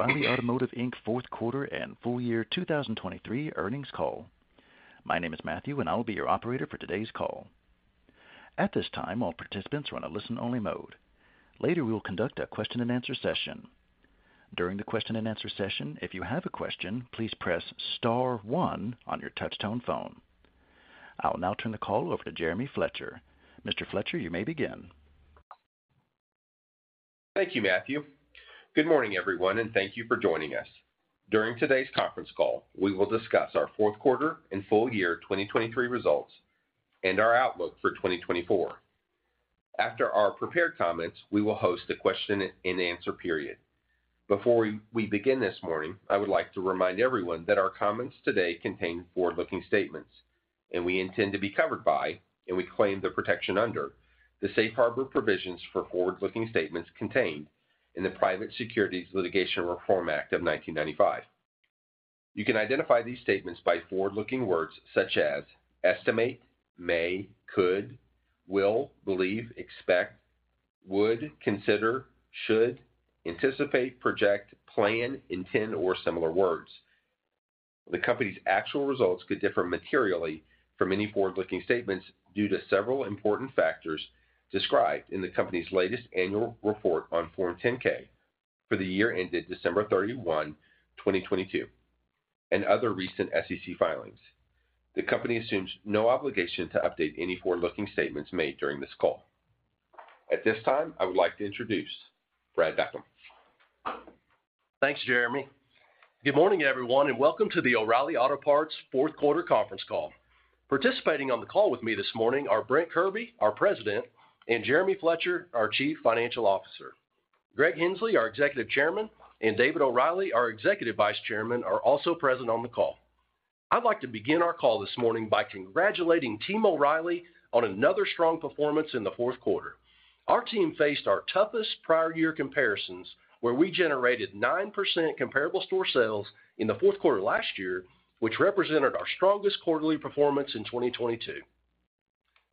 O'Reilly Automotive Inc's fourth quarter and full year 2023 earnings call. My name is Matthew, and I will be your operator for today's call. At this time, all participants are on a listen-only mode. Later, we will conduct a question-and-answer session. During the question-and-answer session, if you have a question, please press star one on your touchtone phone. I will now turn the call over to Jeremy Fletcher. Mr. Fletcher, you may begin. Thank you, Matthew. Good morning, everyone, and thank you for joining us. During today's conference call, we will discuss our fourth quarter and full year 2023 results and our outlook for 2024. After our prepared comments, we will host a question-and-answer period. Before we begin this morning, I would like to remind everyone that our comments today contain forward-looking statements, and we intend to be covered by, and we claim the protection under, the safe harbor provisions for forward-looking statements contained in the Private Securities Litigation Reform Act of 1995. You can identify these statements by forward-looking words such as estimate, may, could, will, believe, expect, would, consider, should, anticipate, project, plan, intend, or similar words. The Company's actual results could differ materially from any forward-looking statements due to several important factors described in the Company's latest annual report on Form 10-K for the year ended December 31, 2022, and other recent SEC filings. The Company assumes no obligation to update any forward-looking statements made during this call. At this time, I would like to introduce Brad Beckham. Thanks, Jeremy. Good morning, everyone, and welcome to the O'Reilly Automotive fourth quarter conference call. Participating on the call with me this morning are Brent Kirby, our President, and Jeremy Fletcher, our Chief Financial Officer. Greg Henslee, our Executive Chairman, and David O'Reilly, our Executive Vice Chairman, are also present on the call. I'd like to begin our call this morning by congratulating Team O'Reilly on another strong performance in the fourth quarter. Our team faced our toughest prior year comparisons, where we generated 9% comparable store sales in the fourth quarter last year, which represented our strongest quarterly performance in 2022.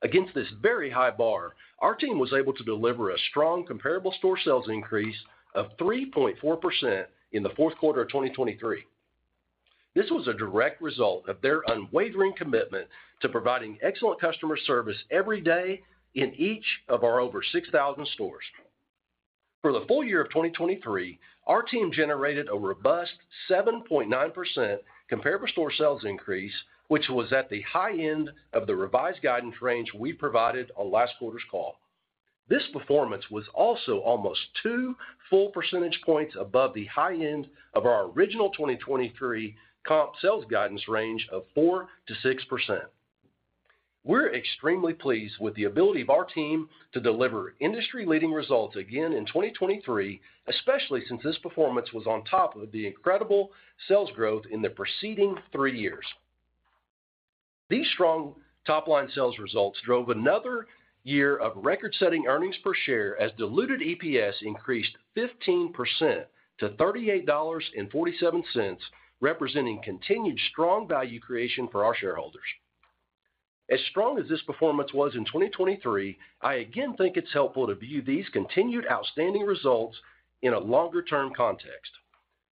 Against this very high bar, our team was able to deliver a strong comparable store sales increase of 3.4% in the fourth quarter of 2023. This was a direct result of their unwavering commitment to providing excellent customer service every day in each of our over 6,000 stores. For the full year of 2023, our team generated a robust 7.9% comparable store sales increase, which was at the high end of the revised guidance range we provided on last quarter's call. This performance was also almost two full percentage points above the high end of our original 2023 comp sales guidance range of 4%-6%. We're extremely pleased with the ability of our team to deliver industry-leading results again in 2023, especially since this performance was on top of the incredible sales growth in the preceding three years. These strong top-line sales results drove another year of record-setting earnings per share, as diluted EPS increased 15% to $38.47, representing continued strong value creation for our shareholders. As strong as this performance was in 2023, I again think it's helpful to view these continued outstanding results in a longer-term context.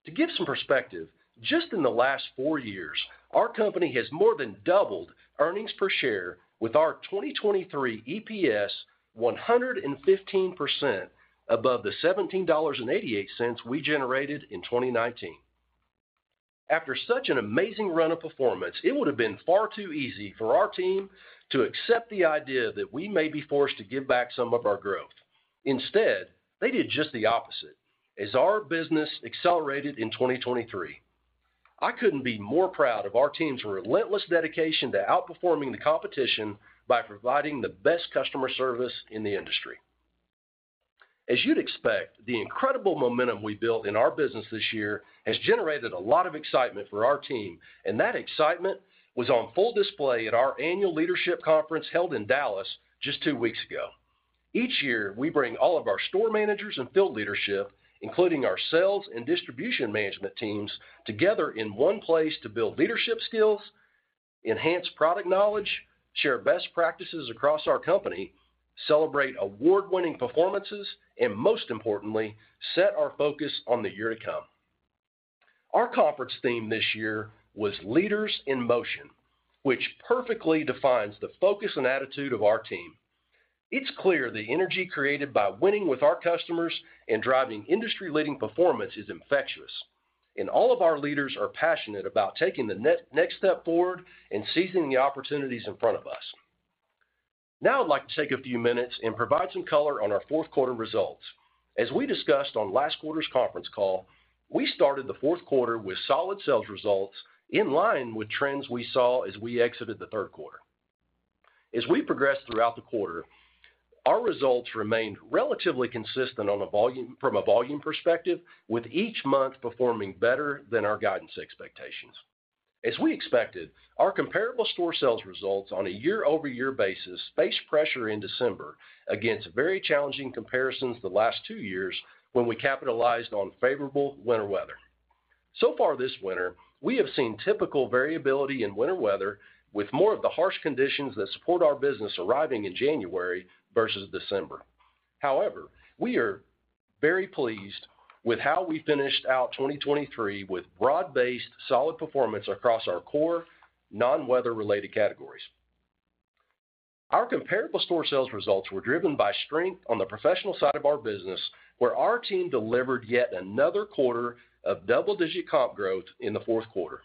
To give some perspective, just in the last four years, our company has more than doubled earnings per share with our 2023 EPS 115% above the $17.88 we generated in 2019. After such an amazing run of performance, it would have been far too easy for our team to accept the idea that we may be forced to give back some of our growth. Instead, they did just the opposite, as our business accelerated in 2023. I couldn't be more proud of our team's relentless dedication to outperforming the competition by providing the best customer service in the industry. As you'd expect, the incredible momentum we built in our business this year has generated a lot of excitement for our team, and that excitement was on full display at our annual leadership conference held in Dallas just two weeks ago. Each year, we bring all of our store managers and field leadership, including our sales and distribution management teams, together in one place to build leadership skills, enhance product knowledge, share best practices across our company, celebrate award-winning performances, and most importantly, set our focus on the year to come. Our conference theme this year was Leaders in Motion, which perfectly defines the focus and attitude of our team. It's clear the energy created by winning with our customers and driving industry-leading performance is infectious, and all of our leaders are passionate about taking the next step forward and seizing the opportunities in front of us. Now, I'd like to take a few minutes and provide some color on our fourth quarter results. As we discussed on last quarter's conference call, we started the fourth quarter with solid sales results in line with trends we saw as we exited the third quarter. As we progressed throughout the quarter, our results remained relatively consistent from a volume perspective, with each month performing better than our guidance expectations. As we expected, our comparable store sales results on a year-over-year basis faced pressure in December against very challenging comparisons the last two years, when we capitalized on favorable winter weather. So far this winter, we have seen typical variability in winter weather, with more of the harsh conditions that support our business arriving in January versus December. However, we are very pleased with how we finished out 2023 with broad-based, solid performance across our core, non-weather-related categories. Our comparable store sales results were driven by strength on the professional side of our business, where our team delivered yet another quarter of double-digit comp growth in the fourth quarter.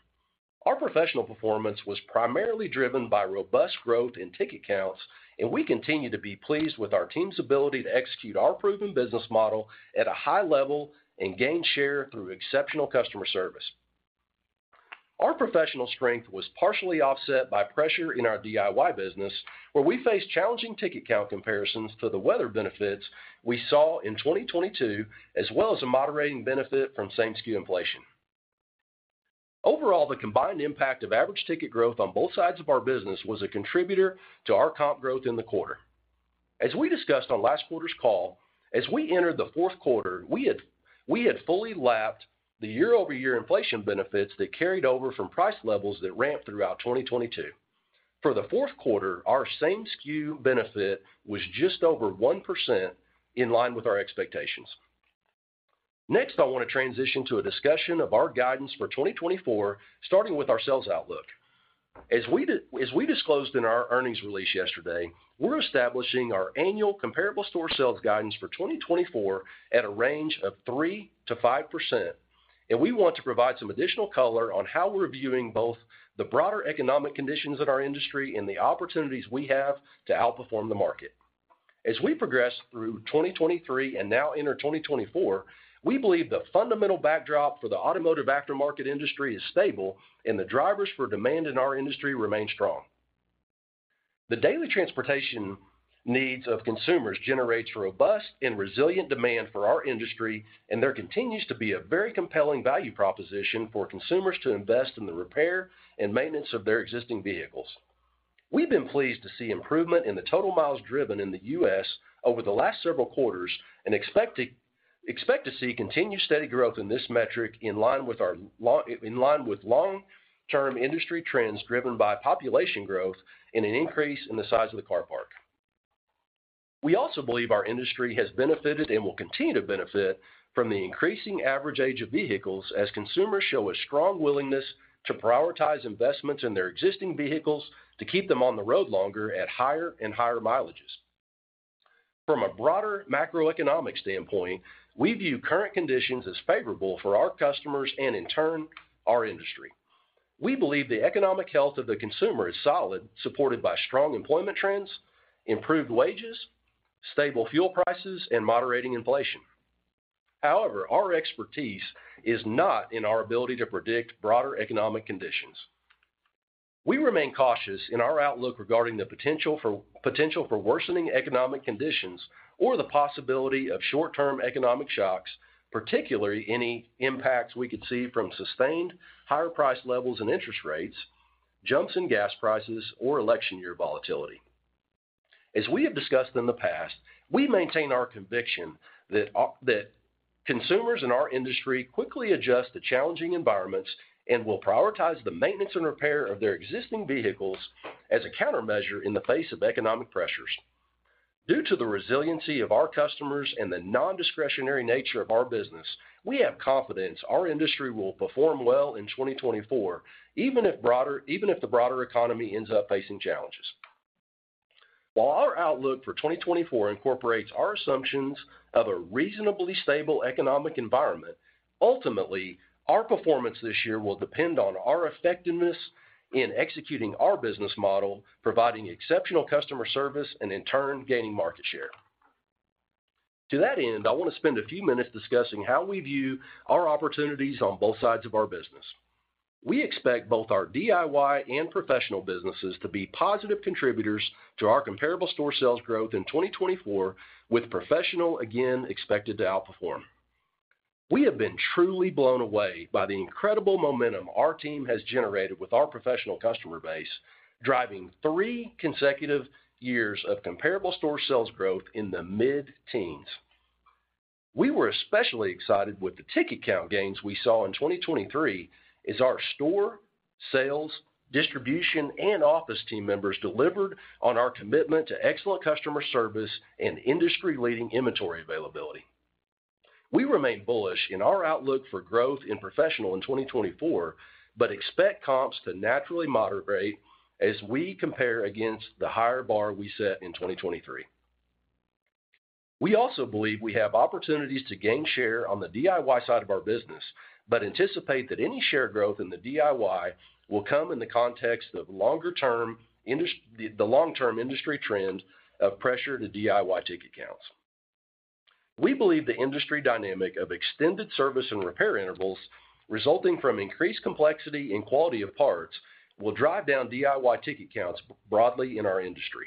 Our professional performance was primarily driven by robust growth in ticket counts, and we continue to be pleased with our team's ability to execute our proven business model at a high level and gain share through exceptional customer service. Our professional strength was partially offset by pressure in our DIY business, where we faced challenging ticket count comparisons to the weather benefits we saw in 2022, as well as a moderating benefit from same-SKU inflation. Overall, the combined impact of average ticket growth on both sides of our business was a contributor to our comp growth in the quarter. As we discussed on last quarter's call, as we entered the fourth quarter, we had fully lapped the year-over-year inflation benefits that carried over from price levels that ramped throughout 2022. For the fourth quarter, our same-SKU benefit was just over 1% in line with our expectations. Next, I want to transition to a discussion of our guidance for 2024, starting with our sales outlook. As we disclosed in our earnings release yesterday, we're establishing our annual comparable store sales guidance for 2024 at a range of 3%-5%, and we want to provide some additional color on how we're viewing both the broader economic conditions in our industry and the opportunities we have to outperform the market. As we progress through 2023 and now enter 2024, we believe the fundamental backdrop for the automotive aftermarket industry is stable and the drivers for demand in our industry remain strong. The daily transportation needs of consumers generates robust and resilient demand for our industry, and there continues to be a very compelling value proposition for consumers to invest in the repair and maintenance of their existing vehicles. We've been pleased to see improvement in the total miles driven in the U.S. over the last several quarters and expect to see continued steady growth in this metric in line with long-term industry trends, driven by population growth and an increase in the size of the car park. We also believe our industry has benefited and will continue to benefit from the increasing average age of vehicles as consumers show a strong willingness to prioritize investments in their existing vehicles to keep them on the road longer at higher and higher mileages. From a broader macroeconomic standpoint, we view current conditions as favorable for our customers and in turn, our industry. We believe the economic health of the consumer is solid, supported by strong employment trends, improved wages, stable fuel prices, and moderating inflation. However, our expertise is not in our ability to predict broader economic conditions. We remain cautious in our outlook regarding the potential for worsening economic conditions or the possibility of short-term economic shocks, particularly any impacts we could see from sustained higher price levels and interest rates, jumps in gas prices, or election year volatility. As we have discussed in the past, we maintain our conviction that our consumers in our industry quickly adjust to challenging environments and will prioritize the maintenance and repair of their existing vehicles as a countermeasure in the face of economic pressures. Due to the resiliency of our customers and the nondiscretionary nature of our business, we have confidence our industry will perform well in 2024, even if the broader economy ends up facing challenges. While our outlook for 2024 incorporates our assumptions of a reasonably stable economic environment, ultimately, our performance this year will depend on our effectiveness in executing our business model, providing exceptional customer service, and in turn, gaining market share. To that end, I want to spend a few minutes discussing how we view our opportunities on both sides of our business. We expect both our DIY and professional businesses to be positive contributors to our comparable store sales growth in 2024, with professional again expected to outperform. We have been truly blown away by the incredible momentum our team has generated with our professional customer base, driving three consecutive years of comparable store sales growth in the mid-teens. We were especially excited with the ticket count gains we saw in 2023 as our store, sales, distribution, and office team members delivered on our commitment to excellent customer service and industry-leading inventory availability. We remain bullish in our outlook for growth in professional in 2024, but expect comps to naturally moderate as we compare against the higher bar we set in 2023. We also believe we have opportunities to gain share on the DIY side of our business, but anticipate that any share growth in the DIY will come in the context of longer-term the long-term industry trend of pressure to DIY ticket counts. We believe the industry dynamic of extended service and repair intervals resulting from increased complexity and quality of parts will drive down DIY ticket counts broadly in our industry.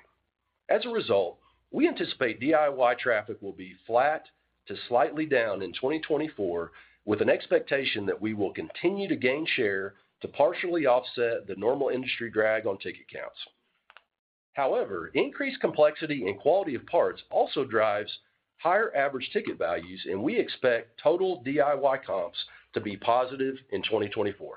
As a result, we anticipate DIY traffic will be flat to slightly down in 2024, with an expectation that we will continue to gain share to partially offset the normal industry drag on ticket counts.... However, increased complexity and quality of parts also drives higher average ticket values, and we expect total DIY comps to be positive in 2024.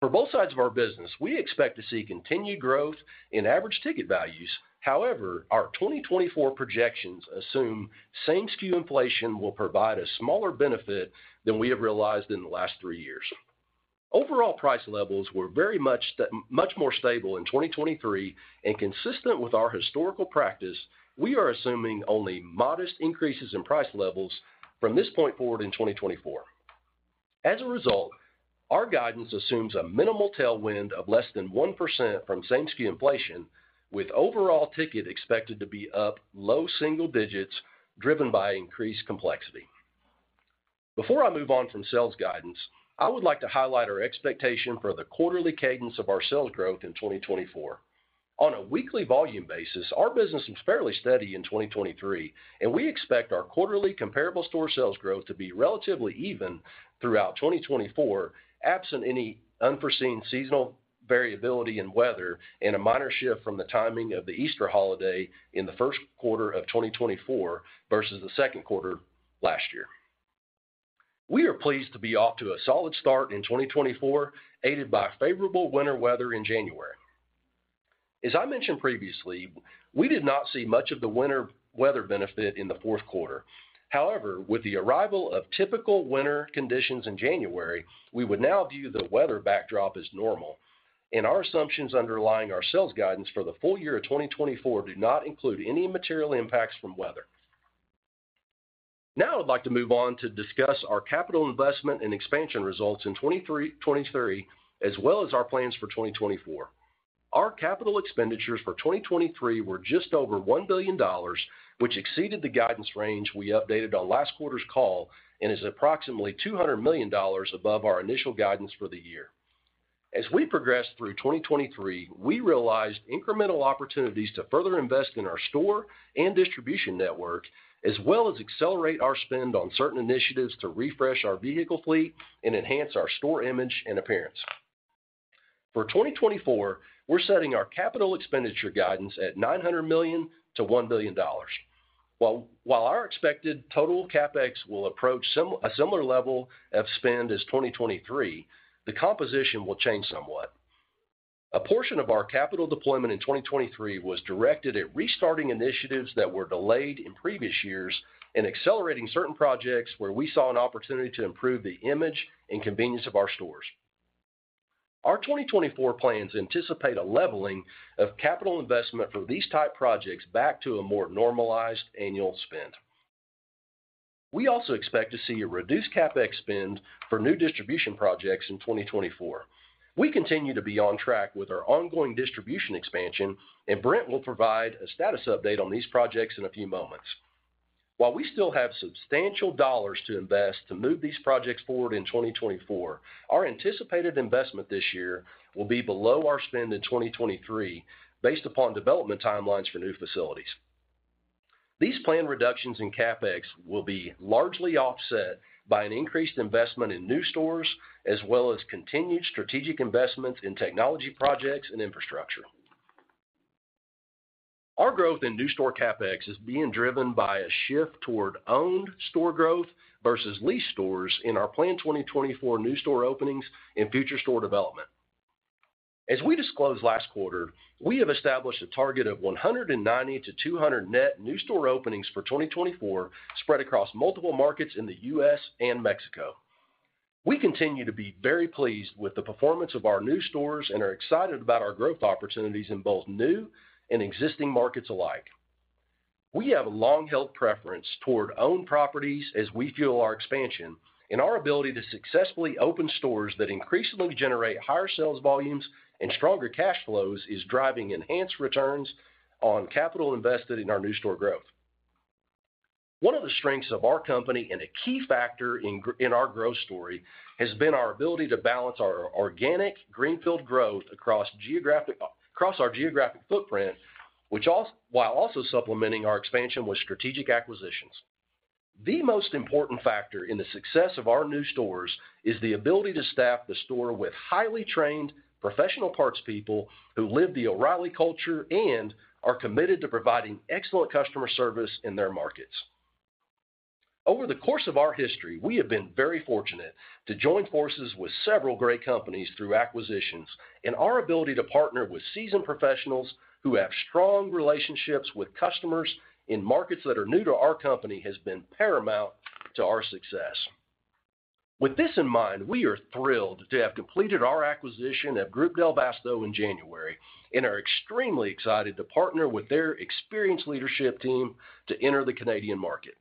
For both sides of our business, we expect to see continued growth in average ticket values. However, our 2024 projections assume same-SKU inflation will provide a smaller benefit than we have realized in the last three years. Overall, price levels were very much, much more stable in 2023, and consistent with our historical practice, we are assuming only modest increases in price levels from this point forward in 2024. As a result, our guidance assumes a minimal tailwind of less than 1% from same-SKU inflation, with overall ticket expected to be up low single digits, driven by increased complexity. Before I move on from sales guidance, I would like to highlight our expectation for the quarterly cadence of our sales growth in 2024. On a weekly volume basis, our business was fairly steady in 2023, and we expect our quarterly comparable store sales growth to be relatively even throughout 2024, absent any unforeseen seasonal variability in weather and a minor shift from the timing of the Easter holiday in the first quarter of 2024 versus the second quarter last year. We are pleased to be off to a solid start in 2024, aided by favorable winter weather in January. As I mentioned previously, we did not see much of the winter weather benefit in the fourth quarter. However, with the arrival of typical winter conditions in January, we would now view the weather backdrop as normal, and our assumptions underlying our sales guidance for the full year of 2024 do not include any material impacts from weather. Now I'd like to move on to discuss our capital investment and expansion results in 2023, as well as our plans for 2024. Our capital expenditures for 2023 were just over $1 billion, which exceeded the guidance range we updated on last quarter's call and is approximately $200 million above our initial guidance for the year. As we progressed through 2023, we realized incremental opportunities to further invest in our store and distribution network, as well as accelerate our spend on certain initiatives to refresh our vehicle fleet and enhance our store image and appearance. For 2024, we're setting our capital expenditure guidance at $900 million-$1 billion. While our expected total CapEx will approach a similar level of spend as 2023, the composition will change somewhat. A portion of our capital deployment in 2023 was directed at restarting initiatives that were delayed in previous years and accelerating certain projects where we saw an opportunity to improve the image and convenience of our stores. Our 2024 plans anticipate a leveling of capital investment for these type projects back to a more normalized annual spend. We also expect to see a reduced CapEx spend for new distribution projects in 2024. We continue to be on track with our ongoing distribution expansion, and Brent will provide a status update on these projects in a few moments. While we still have substantial dollars to invest to move these projects forward in 2024, our anticipated investment this year will be below our spend in 2023, based upon development timelines for new facilities. These planned reductions in CapEx will be largely offset by an increased investment in new stores, as well as continued strategic investments in technology projects and infrastructure. Our growth in new store CapEx is being driven by a shift toward owned store growth versus leased stores in our planned 2024 new store openings and future store development. As we disclosed last quarter, we have established a target of 190-200 net new store openings for 2024, spread across multiple markets in the U.S. and Mexico. We continue to be very pleased with the performance of our new stores and are excited about our growth opportunities in both new and existing markets alike. We have a long-held preference toward owned properties as we fuel our expansion, and our ability to successfully open stores that increasingly generate higher sales volumes and stronger cash flows is driving enhanced returns on capital invested in our new store growth. One of the strengths of our company and a key factor in our growth story has been our ability to balance our organic greenfield growth across our geographic footprint, which while also supplementing our expansion with strategic acquisitions. The most important factor in the success of our new stores is the ability to staff the store with highly trained, Professional Parts People who live the O'Reilly culture and are committed to providing excellent customer service in their markets. Over the course of our history, we have been very fortunate to join forces with several great companies through acquisitions, and our ability to partner with seasoned professionals who have strong relationships with customers in markets that are new to our company has been paramount to our success. With this in mind, we are thrilled to have completed our acquisition of Groupe Del Vasto in January and are extremely excited to partner with their experienced leadership team to enter the Canadian market.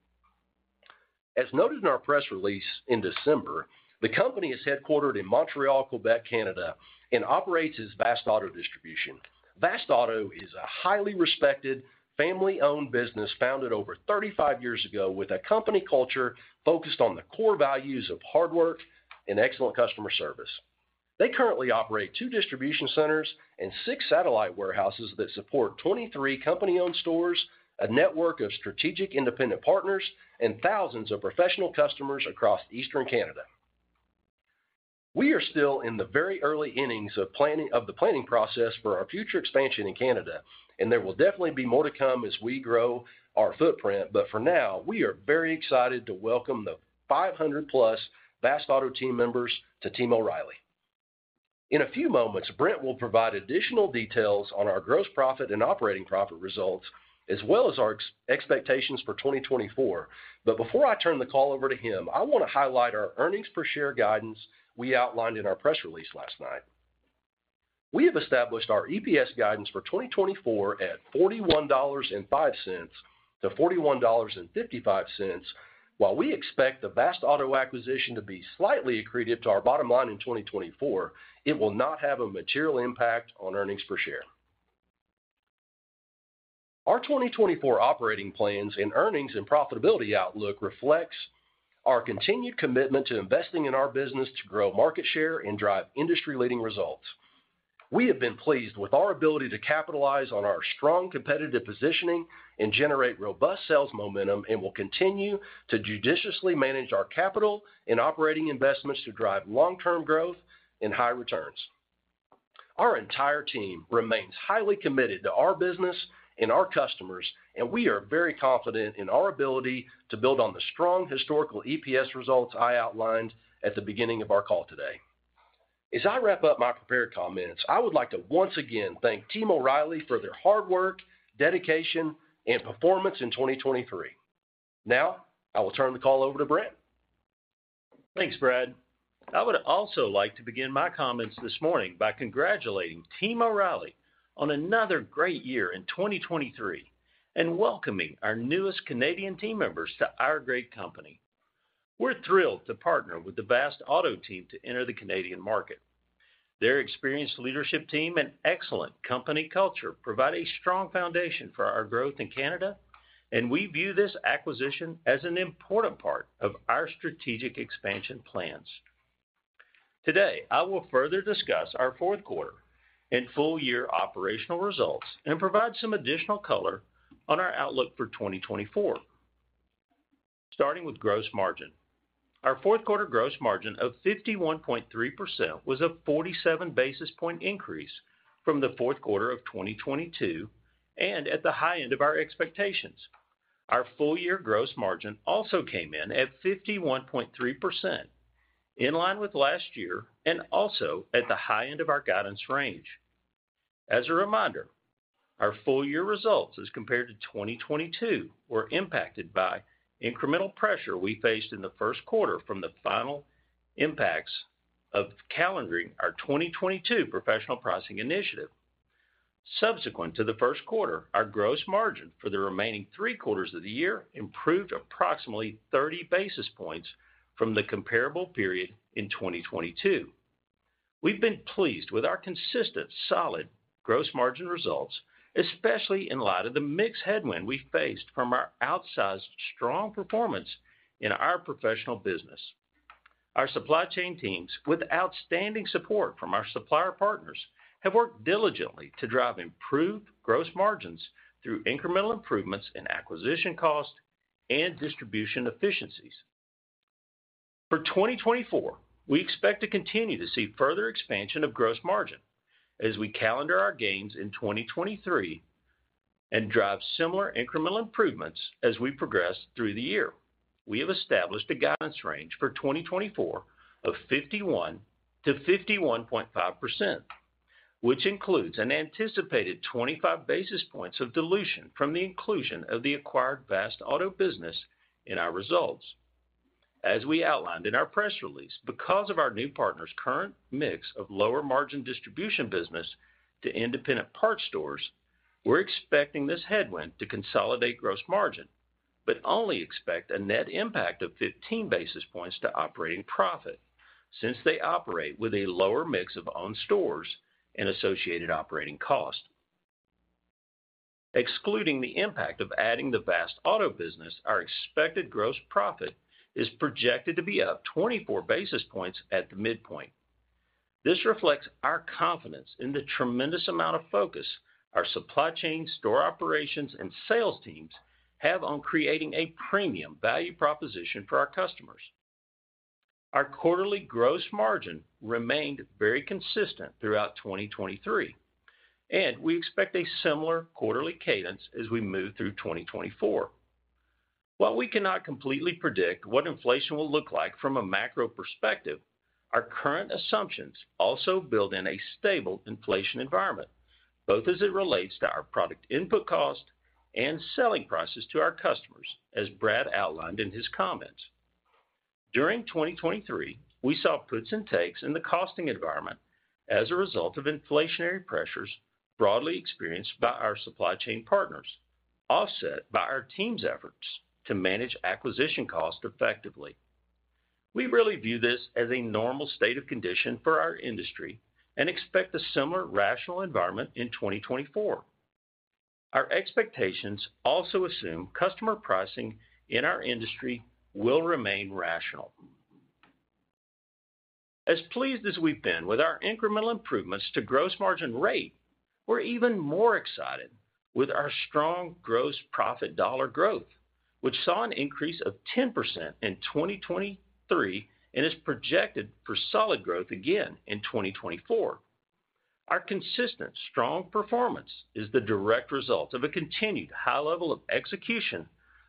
As noted in our press release in December, the company is headquartered in Montreal, Quebec, Canada, and operates as Vast-Auto Distribution. Vast-Auto is a highly respected, family-owned business, founded over 35 years ago, with a company culture focused on the core values of hard work and excellent customer service. They currently operate two distribution centers and six satellite warehouses that support 23 company-owned stores, a network of strategic independent partners, and thousands of professional customers across eastern Canada.... We are still in the very early innings of planning, of the planning process for our future expansion in Canada, and there will definitely be more to come as we grow our footprint. But for now, we are very excited to welcome the 500+ Vast-Auto team members to Team O'Reilly. In a few moments, Brent will provide additional details on our gross profit and operating profit results, as well as our expectations for 2024. But before I turn the call over to him, I want to highlight our earnings per share guidance we outlined in our press release last night. We have established our EPS guidance for 2024 at $41.05-$41.55. While we expect the Vast-Auto acquisition to be slightly accretive to our bottom line in 2024, it will not have a material impact on earnings per share. Our 2024 operating plans and earnings and profitability outlook reflects our continued commitment to investing in our business to grow market share and drive industry-leading results. We have been pleased with our ability to capitalize on our strong competitive positioning and generate robust sales momentum, and will continue to judiciously manage our capital and operating investments to drive long-term growth and high returns. Our entire team remains highly committed to our business and our customers, and we are very confident in our ability to build on the strong historical EPS results I outlined at the beginning of our call today. As I wrap up my prepared comments, I would like to once again thank Team O'Reilly for their hard work, dedication, and performance in 2023. Now, I will turn the call over to Brent. Thanks, Brad. I would also like to begin my comments this morning by congratulating Team O'Reilly on another great year in 2023 and welcoming our newest Canadian team members to our great company. We're thrilled to partner with the Vast-Auto team to enter the Canadian market. Their experienced leadership team and excellent company culture provide a strong foundation for our growth in Canada, and we view this acquisition as an important part of our strategic expansion plans. Today, I will further discuss our fourth quarter and full-year operational results and provide some additional color on our outlook for 2024. Starting with gross margin. Our fourth quarter gross margin of 51.3% was a 47 basis point increase from the fourth quarter of 2022 and at the high end of our expectations. Our full-year gross margin also came in at 51.3%, in line with last year and also at the high end of our guidance range. As a reminder, our full-year results as compared to 2022, were impacted by incremental pressure we faced in the first quarter from the final impacts of calendaring our 2022 professional pricing initiative. Subsequent to the first quarter, our gross margin for the remaining three quarters of the year improved approximately 30 basis points from the comparable period in 2022. We've been pleased with our consistent, solid gross margin results, especially in light of the mix headwind we faced from our outsized strong performance in our professional business. Our supply chain teams, with outstanding support from our supplier partners, have worked diligently to drive improved gross margins through incremental improvements in acquisition cost and distribution efficiencies. For 2024, we expect to continue to see further expansion of gross margin as we calendar our gains in 2023 and drive similar incremental improvements as we progress through the year. We have established a guidance range for 2024 of 51%-51.5%, which includes an anticipated 25 basis points of dilution from the inclusion of the acquired Vast-Auto business in our results. As we outlined in our press release, because of our new partner's current mix of lower-margin distribution business to independent parts stores, we're expecting this headwind to consolidate gross margin, but only expect a net impact of 15 basis points to operating profit, since they operate with a lower mix of owned stores and associated operating costs. Excluding the impact of adding the Vast-Auto business, our expected gross profit is projected to be up 24 basis points at the midpoint. This reflects our confidence in the tremendous amount of focus our supply chain, store operations, and sales teams have on creating a premium value proposition for our customers. Our quarterly gross margin remained very consistent throughout 2023, and we expect a similar quarterly cadence as we move through 2024. While we cannot completely predict what inflation will look like from a macro perspective, our current assumptions also build in a stable inflation environment, both as it relates to our product input cost and selling prices to our customers, as Brad outlined in his comments. During 2023, we saw puts and takes in the costing environment as a result of inflationary pressures broadly experienced by our supply chain partners, offset by our team's efforts to manage acquisition costs effectively. We really view this as a normal state of condition for our industry and expect a similar rational environment in 2024. Our expectations also assume customer pricing in our industry will remain rational. As pleased as we've been with our incremental improvements to gross margin rate, we're even more excited with our strong gross profit dollar growth, which saw an increase of 10% in 2023, and is projected for solid growth again in 2024. Our consistent, strong performance is the direct result of a continued high level of execution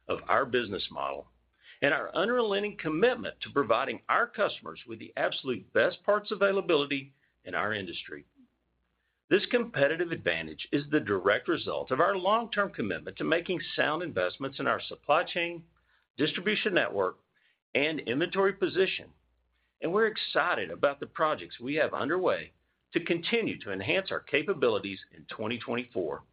of our business model and our unrelenting commitment to providing our customers with the absolute best parts availability in our industry. This competitive advantage is the direct result of our long-term commitment to making sound investments in our supply chain, distribution network, and inventory position, and we're excited about the projects we have underway to continue to enhance our capabilities in 2024.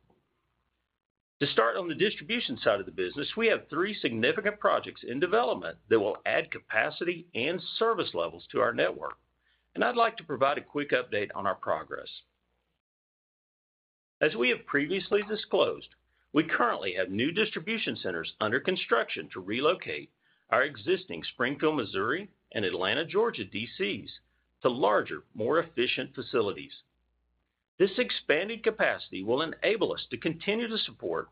To start on the distribution side of the business, we have three significant projects in development that will add capacity and service levels to our network, and I'd like to provide a quick update on our progress. As we have previously disclosed, we currently have new distribution centers under construction to relocate our existing Springfield, Missouri, and Atlanta, Georgia, DCs to larger, more efficient facilities. This expanded capacity will enable us to continue to support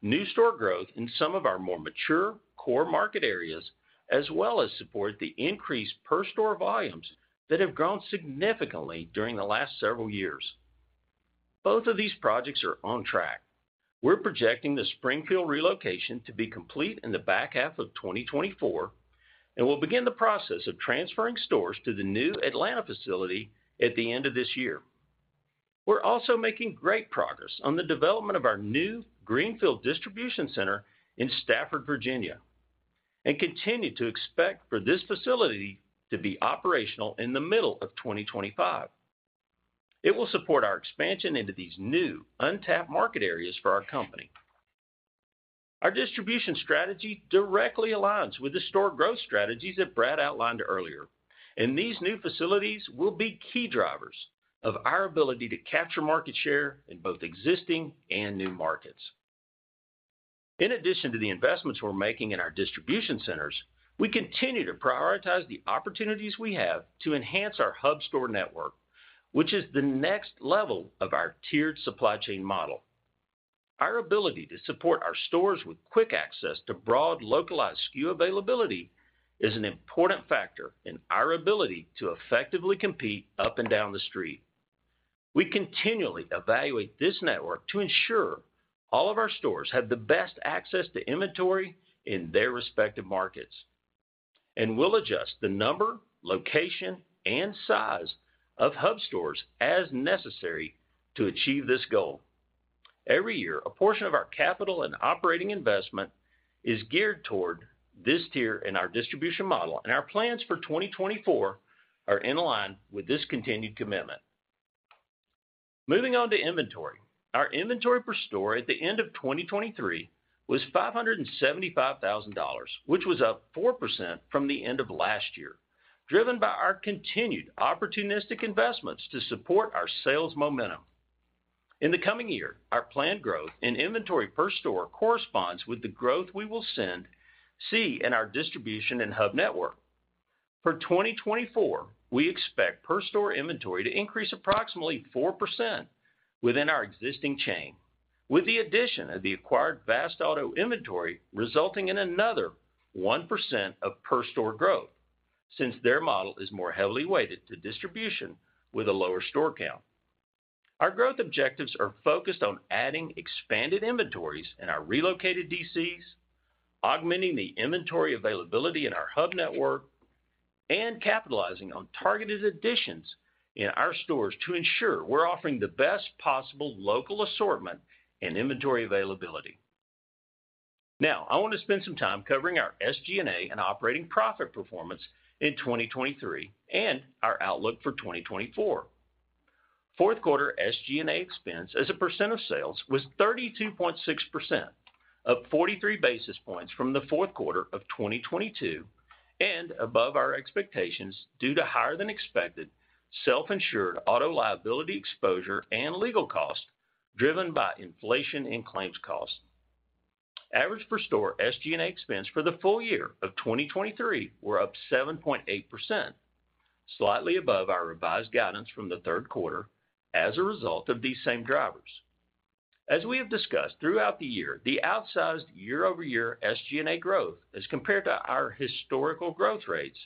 new store growth in some of our more mature core market areas, as well as support the increased per-store volumes that have grown significantly during the last several years. Both of these projects are on track. We're projecting the Springfield relocation to be complete in the back half of 2024, and we'll begin the process of transferring stores to the new Atlanta facility at the end of this year. We're also making great progress on the development of our new greenfield distribution center in Stafford, Virginia, and continue to expect for this facility to be operational in the middle of 2025. It will support our expansion into these new, untapped market areas for our company. Our distribution strategy directly aligns with the store growth strategies that Brad outlined earlier, and these new facilities will be key drivers of our ability to capture market share in both existing and new markets. In addition to the investments we're making in our distribution centers, we continue to prioritize the opportunities we have to enhance our hub store network, which is the next level of our tiered supply chain model. Our ability to support our stores with quick access to broad, localized SKU availability is an important factor in our ability to effectively compete up and down the street. We continually evaluate this network to ensure all of our stores have the best access to inventory in their respective markets, and we'll adjust the number, location, and size of hub stores as necessary to achieve this goal. Every year, a portion of our capital and operating investment is geared toward this tier in our distribution model, and our plans for 2024 are in line with this continued commitment. Moving on to inventory. Our inventory per store at the end of 2023 was $575,000, which was up 4% from the end of last year, driven by our continued opportunistic investments to support our sales momentum. In the coming year, our planned growth in inventory per store corresponds with the growth we will see in our distribution and hub network. For 2024, we expect per-store inventory to increase approximately 4% within our existing chain, with the addition of the acquired Vast-Auto inventory resulting in another 1% of per-store growth, since their model is more heavily weighted to distribution with a lower store count. Our growth objectives are focused on adding expanded inventories in our relocated DCs, augmenting the inventory availability in our hub network, and capitalizing on targeted additions in our stores to ensure we're offering the best possible local assortment and inventory availability. Now, I want to spend some time covering our SG&A and operating profit performance in 2023 and our outlook for 2024. Fourth quarter SG&A expense as a percent of sales was 32.6%, up 43 basis points from the fourth quarter of 2022, and above our expectations due to higher-than-expected self-insured auto liability exposure and legal costs, driven by inflation and claims costs. Average per-store SG&A expense for the full year of 2023 were up 7.8%, slightly above our revised guidance from the third quarter as a result of these same drivers. As we have discussed throughout the year, the outsized year-over-year SG&A growth as compared to our historical growth rates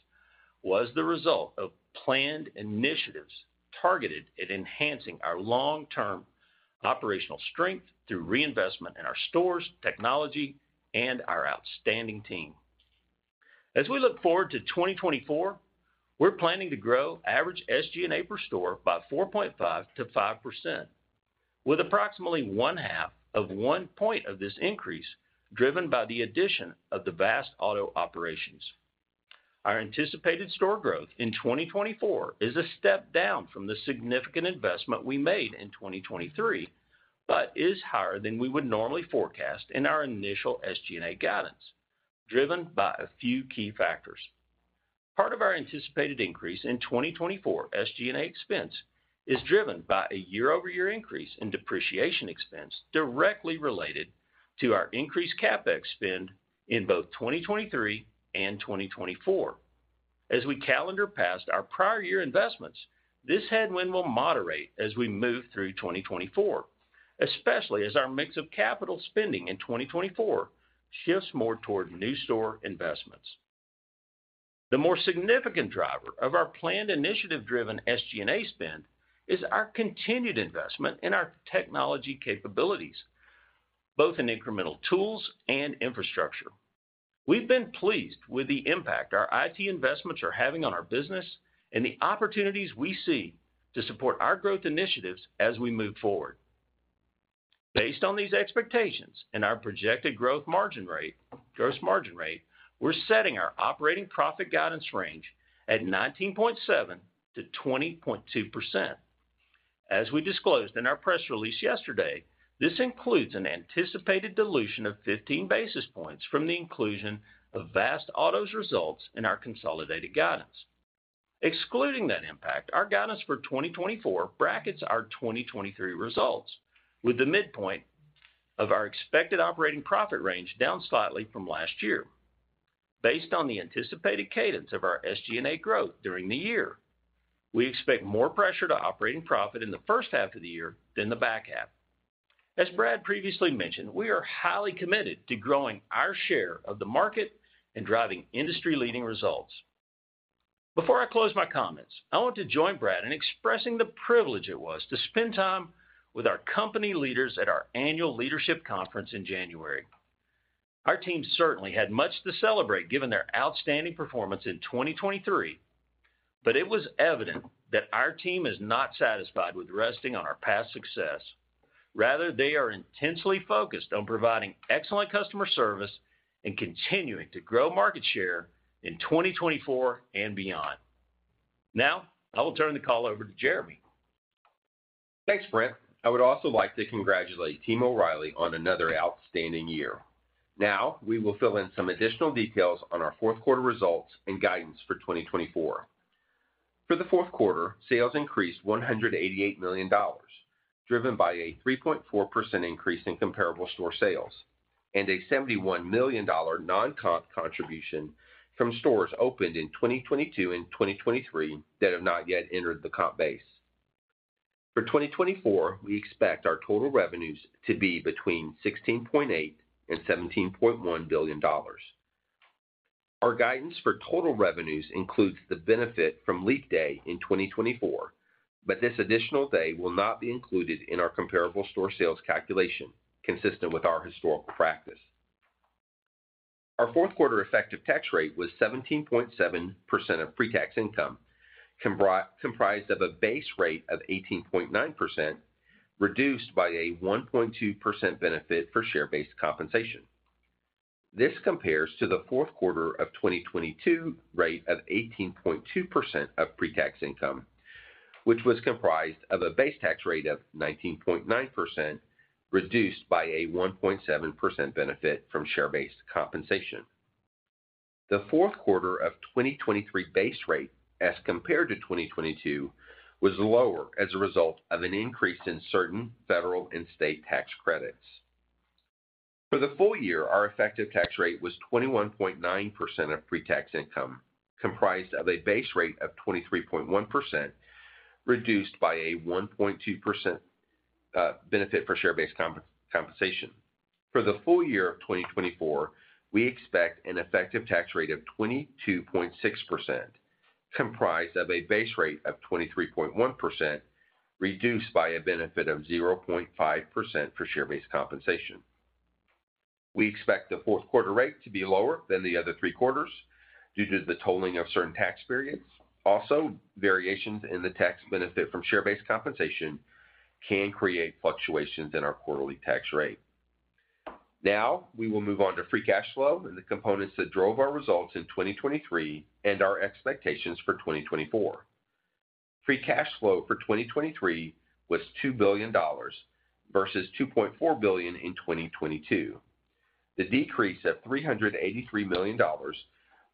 was the result of planned initiatives targeted at enhancing our long-term operational strength through reinvestment in our stores, technology, and our outstanding team. As we look forward to 2024, we're planning to grow average SG&A per store by 4.5%-5%, with approximately 0.5 of 1 point of this increase driven by the addition of the Vast-Auto operations. Our anticipated store growth in 2024 is a step down from the significant investment we made in 2023, but is higher than we would normally forecast in our initial SG&A guidance, driven by a few key factors. Part of our anticipated increase in 2024 SG&A expense is driven by a year-over-year increase in depreciation expense, directly related to our increased CapEx spend in both 2023 and 2024, as we calendar past our prior year investments. This headwind will moderate as we move through 2024, especially as our mix of capital spending in 2024 shifts more toward new store investments. The more significant driver of our planned initiative-driven SG&A spend is our continued investment in our technology capabilities, both in incremental tools and infrastructure. We've been pleased with the impact our IT investments are having on our business and the opportunities we see to support our growth initiatives as we move forward. Based on these expectations and our projected growth margin rate, gross margin rate, we're setting our operating profit guidance range at 19.7%-20.2%. As we disclosed in our press release yesterday, this includes an anticipated dilution of 15 basis points from the inclusion of Vast-Auto's results in our consolidated guidance. Excluding that impact, our guidance for 2024 brackets our 2023 results, with the midpoint of our expected operating profit range down slightly from last year. Based on the anticipated cadence of our SG&A growth during the year, we expect more pressure to operating profit in the first half of the year than the back half. As Brad previously mentioned, we are highly committed to growing our share of the market and driving industry-leading results. Before I close my comments, I want to join Brad in expressing the privilege it was to spend time with our company leaders at our annual leadership conference in January. Our team certainly had much to celebrate, given their outstanding performance in 2023, but it was evident that our team is not satisfied with resting on our past success. Rather, they are intensely focused on providing excellent customer service and continuing to grow market share in 2024 and beyond. Now, I will turn the call over to Jeremy. Thanks, Brent. I would also like to congratulate Team O'Reilly on another outstanding year. Now, we will fill in some additional details on our fourth quarter results and guidance for 2024. For the fourth quarter, sales increased $188 million, driven by a 3.4% increase in comparable store sales and a $71 million non-comp contribution from stores opened in 2022 and 2023 that have not yet entered the comp base. For 2024, we expect our total revenues to be between $16.8 billion and $17.1 billion. Our guidance for total revenues includes the benefit from leap day in 2024, but this additional day will not be included in our comparable store sales calculation, consistent with our historical practice. Our fourth quarter effective tax rate was 17.7% of pre-tax income, comprised of a base rate of 18.9%, reduced by a 1.2% benefit for share-based compensation. This compares to the fourth quarter of 2022 rate of 18.2% of pre-tax income, which was comprised of a base tax rate of 19.9%, reduced by a 1.7% benefit from share-based compensation. The fourth quarter of 2023 base rate, as compared to 2022, was lower as a result of an increase in certain federal and state tax credits. For the full year, our effective tax rate was 21.9% of pre-tax income, comprised of a base rate of 23.1%, reduced by a 1.2% benefit for share-based compensation. For the full year of 2024, we expect an effective tax rate of 22.6%, comprised of a base rate of 23.1%, reduced by a benefit of 0.5% for share-based compensation. We expect the fourth quarter rate to be lower than the other three quarters due to the tolling of certain tax periods. Also, variations in the tax benefit from share-based compensation can create fluctuations in our quarterly tax rate. Now, we will move on to free cash flow and the components that drove our results in 2023 and our expectations for 2024. Free cash flow for 2023 was $2 billion, versus $2.4 billion in 2022. The decrease of $383 million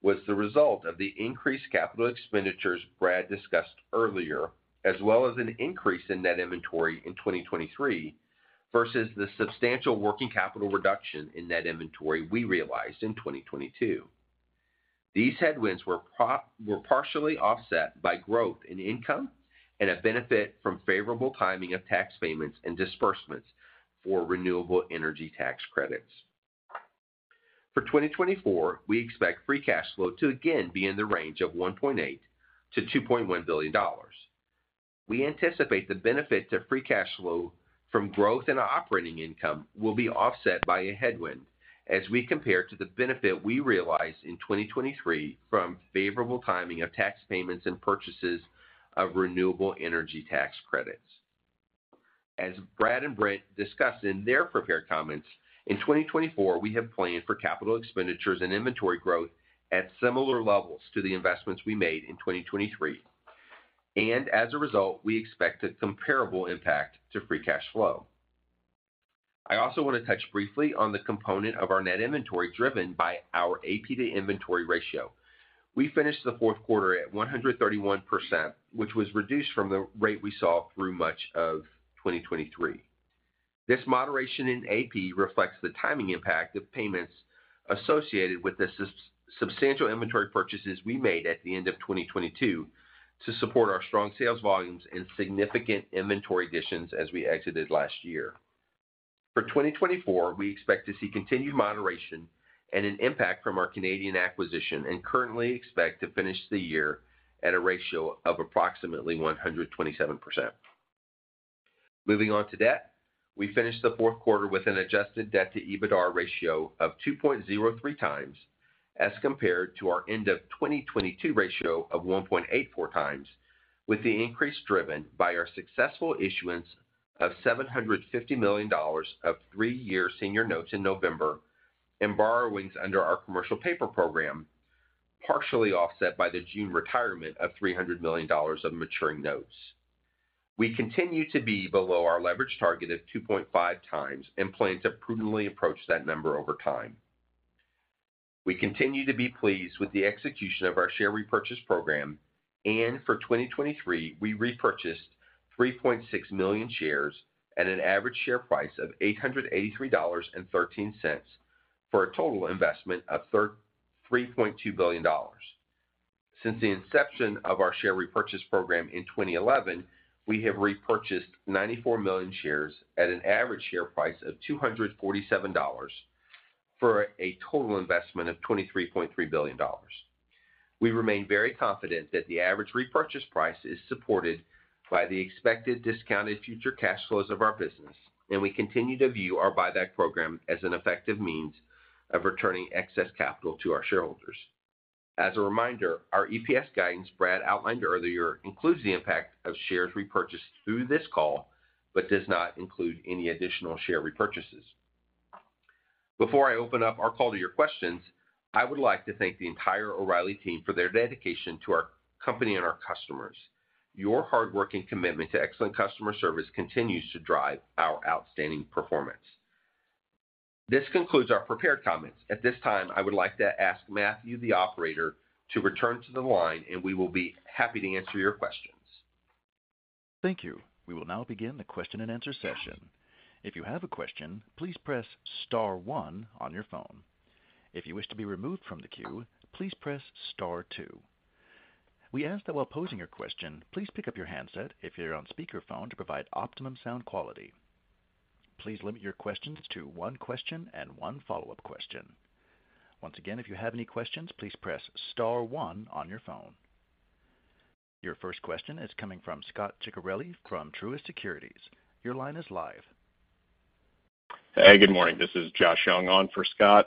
was the result of the increased capital expenditures Brad discussed earlier, as well as an increase in net inventory in 2023 versus the substantial working capital reduction in net inventory we realized in 2022. These headwinds were partially offset by growth in income and a benefit from favorable timing of tax payments and disbursements for renewable energy tax credits. For 2024, we expect free cash flow to again be in the range of $1.8 billion-$2.1 billion. We anticipate the benefit to free cash flow from growth in operating income will be offset by a headwind, as we compare to the benefit we realized in 2023 from favorable timing of tax payments and purchases of renewable energy tax credits. As Brad and Brent discussed in their prepared comments, in 2024, we have planned for capital expenditures and inventory growth at similar levels to the investments we made in 2023, and as a result, we expect a comparable impact to free cash flow. I also want to touch briefly on the component of our net inventory driven by our AP to inventory ratio. We finished the fourth quarter at 131%, which was reduced from the rate we saw through much of 2023. This moderation in AP reflects the timing impact of payments associated with the substantial inventory purchases we made at the end of 2022 to support our strong sales volumes and significant inventory additions as we exited last year. For 2024, we expect to see continued moderation and an impact from our Canadian acquisition, and currently expect to finish the year at a ratio of approximately 127%. Moving on to debt. We finished the fourth quarter with an adjusted debt to EBITDAR ratio of 2.03 times, as compared to our end of 2022 ratio of 1.84 times, with the increase driven by our successful issuance of $750 million of three-year senior notes in November, and borrowings under our commercial paper program, partially offset by the June retirement of $300 million of maturing notes. We continue to be below our leverage target of 2.5 times and plan to prudently approach that number over time. We continue to be pleased with the execution of our share repurchase program, and for 2023, we repurchased 3.6 million shares at an average share price of $883.13, for a total investment of $3.2 billion. Since the inception of our share repurchase program in 2011, we have repurchased 94 million shares at an average share price of $247, for a total investment of $23.3 billion. We remain very confident that the average repurchase price is supported by the expected discounted future cash flows of our business, and we continue to view our buyback program as an effective means of returning excess capital to our shareholders. As a reminder, our EPS guidance Brad outlined earlier includes the impact of shares repurchased through this call, but does not include any additional share repurchases. Before I open up our call to your questions, I would like to thank the entire O'Reilly team for their dedication to our company and our customers. Your hard work and commitment to excellent customer service continues to drive our outstanding performance. This concludes our prepared comments. At this time, I would like to ask Matthew, the operator, to return to the line, and we will be happy to answer your questions. Thank you. We will now begin the question-and-answer session. If you have a question, please press star one on your phone. If you wish to be removed from the queue, please press star two. We ask that while posing your question, please pick up your handset if you're on speakerphone, to provide optimum sound quality. Please limit your questions to one question and one follow-up question. Once again, if you have any questions, please press star one on your phone. Your first question is coming from Scot Ciccarelli from Truist Securities. Your line is live. Hey, good morning. This is Josh Young on for Scot.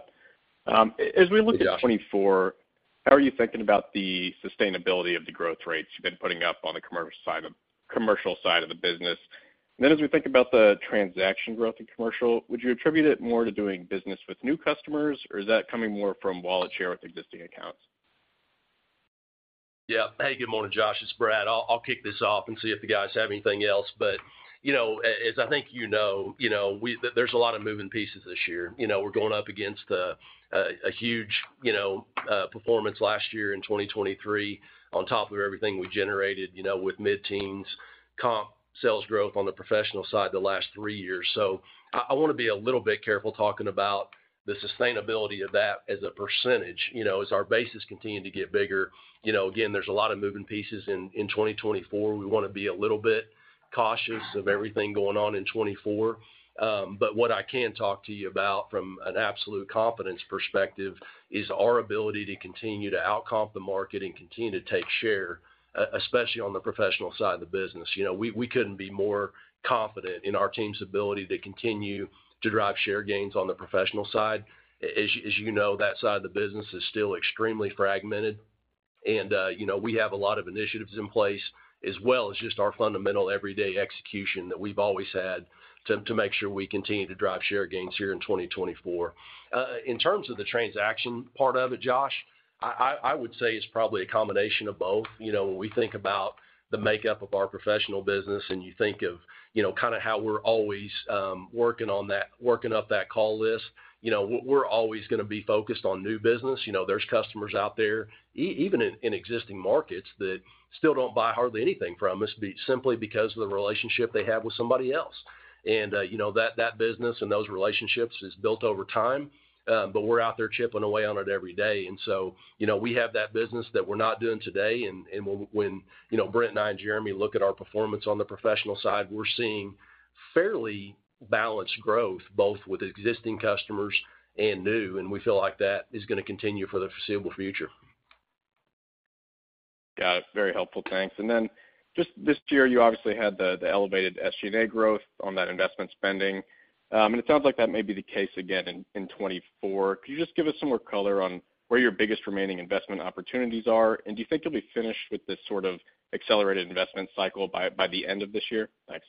As we look at 2024, how are you thinking about the sustainability of the growth rates you've been putting up on the commercial side of the business? And then as we think about the transaction growth in commercial, would you attribute it more to doing business with new customers, or is that coming more from wallet share with existing accounts? Yeah. Hey, good morning, Josh, it's Brad. I'll kick this off and see if the guys have anything else. But, you know, as I think you know, you know, there's a lot of moving pieces this year. You know, we're going up against a huge, you know, performance last year in 2023, on top of everything we generated, you know, with mid-teens comp sales growth on the professional side the last three years. So I want to be a little bit careful talking about the sustainability of that as a percentage, you know, as our bases continue to get bigger. You know, again, there's a lot of moving pieces in 2024. We want to be a little bit cautious of everything going on in 2024. But what I can talk to you about from an absolute confidence perspective is our ability to continue to outcomp the market and continue to take share, especially on the professional side of the business. You know, we, we couldn't be more confident in our team's ability to continue to drive share gains on the professional side. As you, as you know, that side of the business is still extremely fragmented. And, you know, we have a lot of initiatives in place, as well as just our fundamental everyday execution that we've always had, to, to make sure we continue to drive share gains here in 2024. In terms of the transaction part of it, Josh, I, I, I would say it's probably a combination of both. You know, when we think about the makeup of our professional business and you think of, you know, kind of how we're always working on that, working up that call list, you know, we're always gonna be focused on new business. You know, there's customers out there, even in existing markets, that still don't buy hardly anything from us, simply because of the relationship they have with somebody else. And, you know, that business and those relationships is built over time, but we're out there chipping away on it every day. And so, you know, we have that business that we're not doing today, and when, you know, Brent and I and Jeremy look at our performance on the professional side, we're seeing fairly balanced growth, both with existing customers and new, and we feel like that is gonna continue for the foreseeable future. Got it. Very helpful. Thanks. And then just this year, you obviously had the elevated SG&A growth on that investment spending, and it sounds like that may be the case again in 2024. Could you just give us some more color on where your biggest remaining investment opportunities are? And do you think you'll be finished with this sort of accelerated investment cycle by the end of this year? Thanks.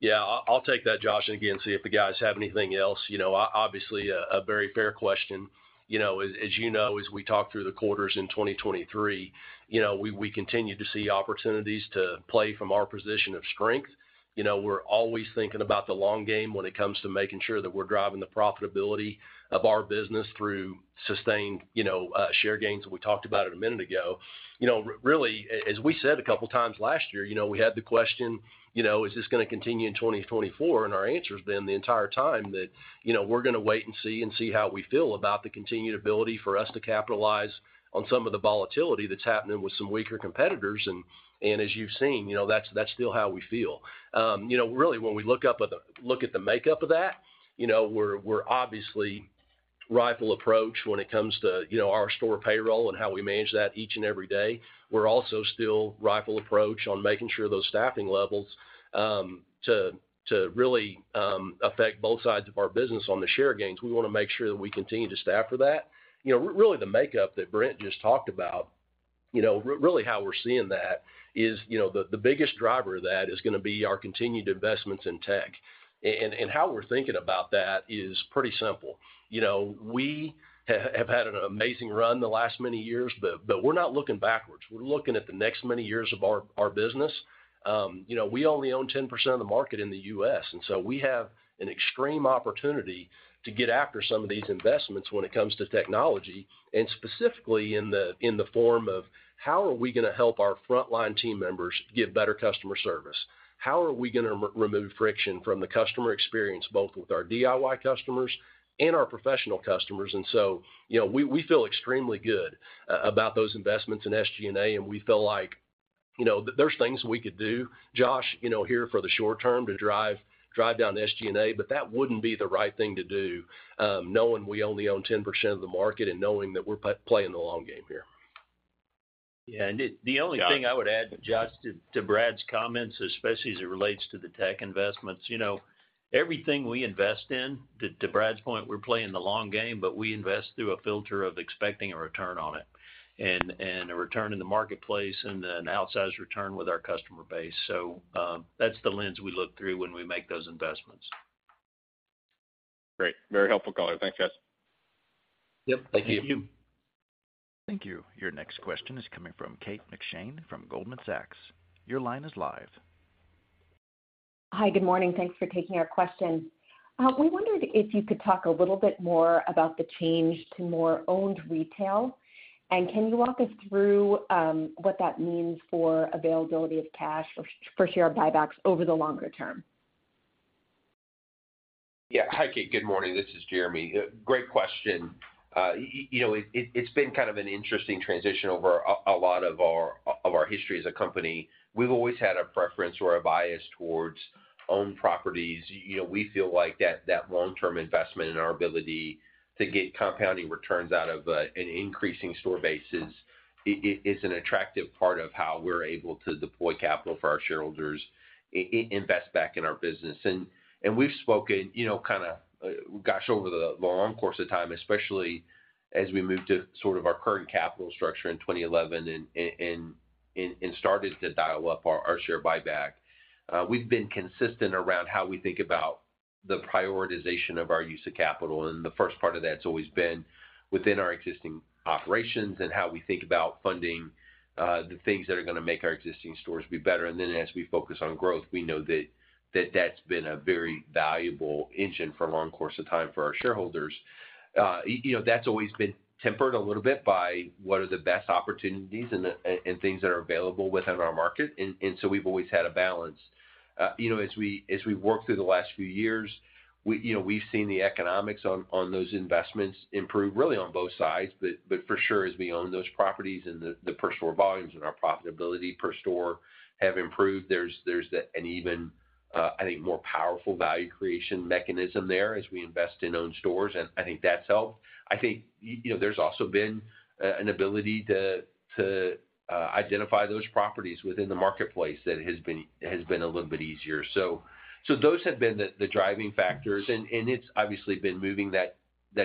Yeah, I'll take that, Josh, and again, see if the guys have anything else. You know, obviously, a very fair question. You know, as you know, as we talk through the quarters in 2023, you know, we continue to see opportunities to play from our position of strength. You know, we're always thinking about the long game when it comes to making sure that we're driving the profitability of our business through sustained, you know, share gains, that we talked about it a minute ago. You know, really, as we said a couple times last year, you know, we had the question, you know, "Is this gonna continue in 2024?" And our answer has been the entire time that, you know, we're gonna wait and see, and see how we feel about the continued ability for us to capitalize on some of the volatility that's happening with some weaker competitors. And as you've seen, you know, that's still how we feel. You know, really, when we look at the makeup of that, you know, we're obviously rifle approach when it comes to, you know, our store payroll and how we manage that each and every day. We're also still rifle approach on making sure those staffing levels to really affect both sides of our business on the share gains. We wanna make sure that we continue to staff for that. You know, really, the makeup that Brent just talked about, you know, really how we're seeing that is, you know, the biggest driver of that is gonna be our continued investments in tech. And how we're thinking about that is pretty simple. You know, we have had an amazing run the last many years, but we're not looking backwards. We're looking at the next many years of our business. You know, we only own 10% of the market in the U.S., and so we have an extreme opportunity to get after some of these investments when it comes to technology, and specifically in the form of: How are we gonna help our frontline team members give better customer service? How are we gonna re-remove friction from the customer experience, both with our DIY customers and our professional customers? And so, you know, we feel extremely good about those investments in SG&A, and we feel like, you know, there's things we could do, Josh, you know, here for the short term to drive down SG&A, but that wouldn't be the right thing to do, knowing we only own 10% of the market and knowing that we're playing the long game here. Yeah, and it- John? The only thing I would add, Josh, to Brad's comments, especially as it relates to the tech investments, you know, everything we invest in, to Brad's point, we're playing the long game, but we invest through a filter of expecting a return on it, and a return in the marketplace and an outsized return with our customer base. So, that's the lens we look through when we make those investments. Great. Very helpful call. Thanks, guys. Yep, thank you. Thank you. Thank you. Your next question is coming from Kate McShane from Goldman Sachs. Your line is live. Hi, good morning. Thanks for taking our question. We wondered if you could talk a little bit more about the change to more owned retail, and can you walk us through what that means for availability of cash for share buybacks over the longer term? Yeah. Hi, Kate, good morning. This is Jeremy. Great question. You know, it's been kind of an interesting transition over a lot of our history as a company. We've always had a preference or a bias towards owned properties. You know, we feel like that long-term investment and our ability to get compounding returns out of an increasing store base is an attractive part of how we're able to deploy capital for our shareholders, invest back in our business. And we've spoken, you know, kind of, gosh, over the long course of time, especially as we move to sort of our current capital structure in 2011 and started to dial up our share buyback. We've been consistent around how we think about the prioritization of our use of capital, and the first part of that's always been within our existing operations and how we think about funding the things that are gonna make our existing stores be better. And then, as we focus on growth, we know that that's been a very valuable engine for a long course of time for our shareholders. You know, that's always been tempered a little bit by what are the best opportunities and things that are available within our market, and so we've always had a balance. You know, as we've worked through the last few years, we've seen the economics on those investments improve really on both sides. But for sure, as we own those properties and the per store volumes and our profitability per store have improved, there's an even, I think, more powerful value creation mechanism there as we invest in owned stores, and I think that's helped. I think, you know, there's also been an ability to identify those properties within the marketplace that has been a little bit easier. So those have been the driving factors, and it's obviously been moving that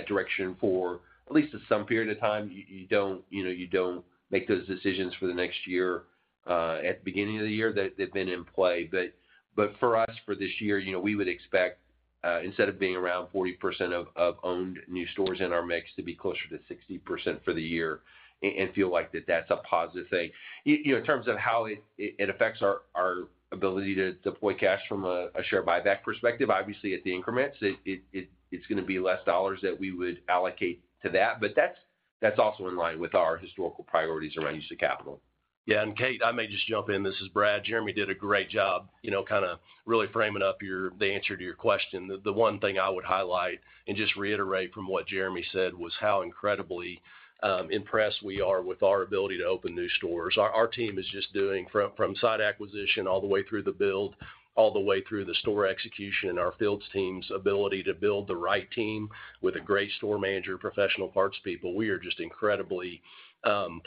direction for at least some period of time. You don't, you know, you don't make those decisions for the next year at the beginning of the year that they've been in play. But for us, for this year, you know, we would expect, instead of being around 40% of owned new stores in our mix to be closer to 60% for the year and feel like that's a positive thing. You know, in terms of how it affects our ability to deploy cash from a share buyback perspective, obviously, at the increments, it's gonna be less dollars that we would allocate to that, but that's also in line with our historical priorities around use of capital. Yeah, and Kate, I may just jump in. This is Brad. Jeremy did a great job, you know, kind of really framing up your the answer to your question. The one thing I would highlight and just reiterate from what Jeremy said was how incredibly impressed we are with our ability to open new stores. Our team is just doing, from site acquisition, all the way through the build, all the way through the store execution, our field team's ability to build the right team with a great store manager, Professional Parts People. We are just incredibly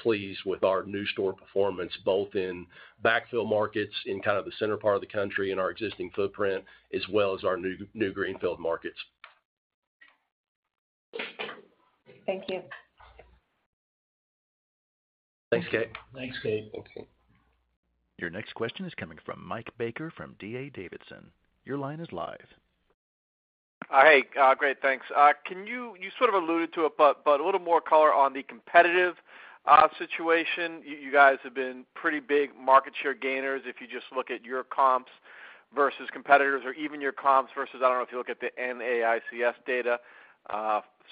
pleased with our new store performance, both in backfill markets, in kind of the center part of the country, in our existing footprint, as well as our new greenfield markets. Thank you. Thanks, Kate. Thanks, Kate. Your next question is coming from Mike Baker from D.A. Davidson. Your line is live. Hey, great, thanks. Can you—you sort of alluded to it, but a little more color on the competitive situation. You guys have been pretty big market share gainers if you just look at your comps versus competitors, or even your comps versus, I don't know if you look at the NAICS data,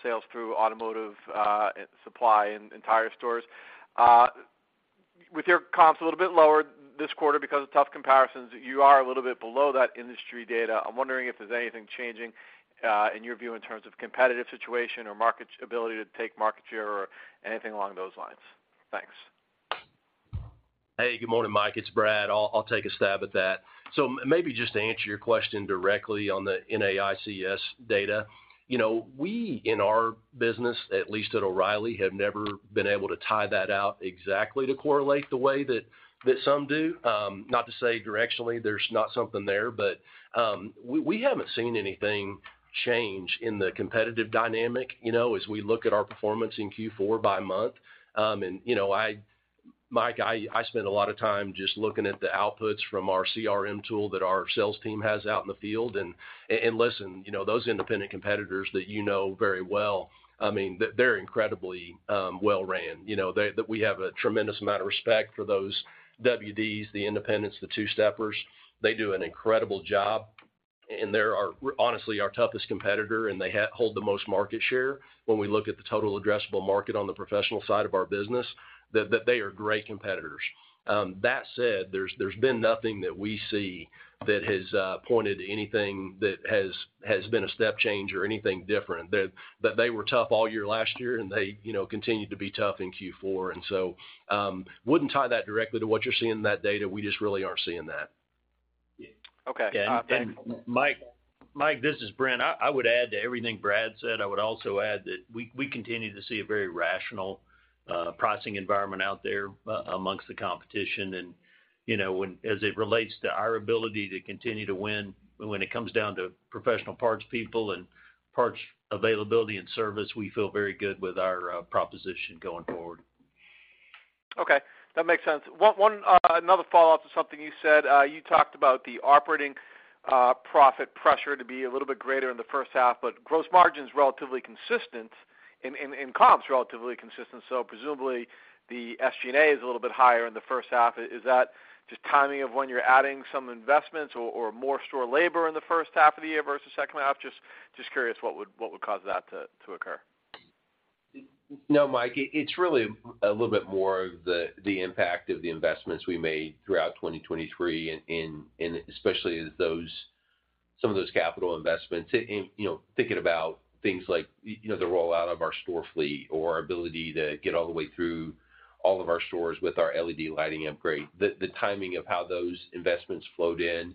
sales through automotive supply and tire stores. With your comps a little bit lower this quarter because of tough comparisons, you are a little bit below that industry data. I'm wondering if there's anything changing in your view, in terms of competitive situation or market ability to take market share or anything along those lines? Thanks. Hey, good morning, Mike, it's Brad. I'll take a stab at that. So maybe just to answer your question directly on the NAICS data. You know, we in our business, at least at O'Reilly, have never been able to tie that out exactly to correlate the way that some do. Not to say directionally, there's not something there, but we haven't seen anything change in the competitive dynamic, you know, as we look at our performance in Q4 by month. And, you know, I, Mike, I spend a lot of time just looking at the outputs from our CRM tool that our sales team has out in the field. And listen, you know, those independent competitors that you know very well, I mean, they're incredibly well-run. You know, we have a tremendous amount of respect for those WDs, the independents, the two-steppers. They do an incredible job, and they're our, honestly, our toughest competitor, and they hold the most market share when we look at the total addressable market on the professional side of our business, that, that they are great competitors. That said, there's, there's been nothing that we see that has pointed to anything that has, has been a step change or anything different. That, that they were tough all year last year, and they, you know, continued to be tough in Q4, and so, wouldn't tie that directly to what you're seeing in that data. We just really aren't seeing that. Okay, thanks- Mike, Mike, this is Brent. I, I would add to everything Brad said. I would also add that we, we continue to see a very rational, pricing environment out there amongst the competition. And, you know, when, as it relates to our ability to continue to win, when it comes down to Professional Parts People and parts availability and service, we feel very good with our, proposition going forward. Okay, that makes sense. Another follow-up to something you said. You talked about the operating profit pressure to be a little bit greater in the first half, but gross margin's relatively consistent and comps relatively consistent. So presumably, the SG&A is a little bit higher in the first half. Is that just timing of when you're adding some investments or more store labor in the first half of the year versus second half? Just curious, what would cause that to occur? No, Mike, it's really a little bit more of the impact of the investments we made throughout 2023, and especially those, some of those capital investments. And, you know, thinking about things like, you know, the rollout of our store fleet or our ability to get all the way through all of our stores with our LED lighting upgrade. The timing of how those investments flowed in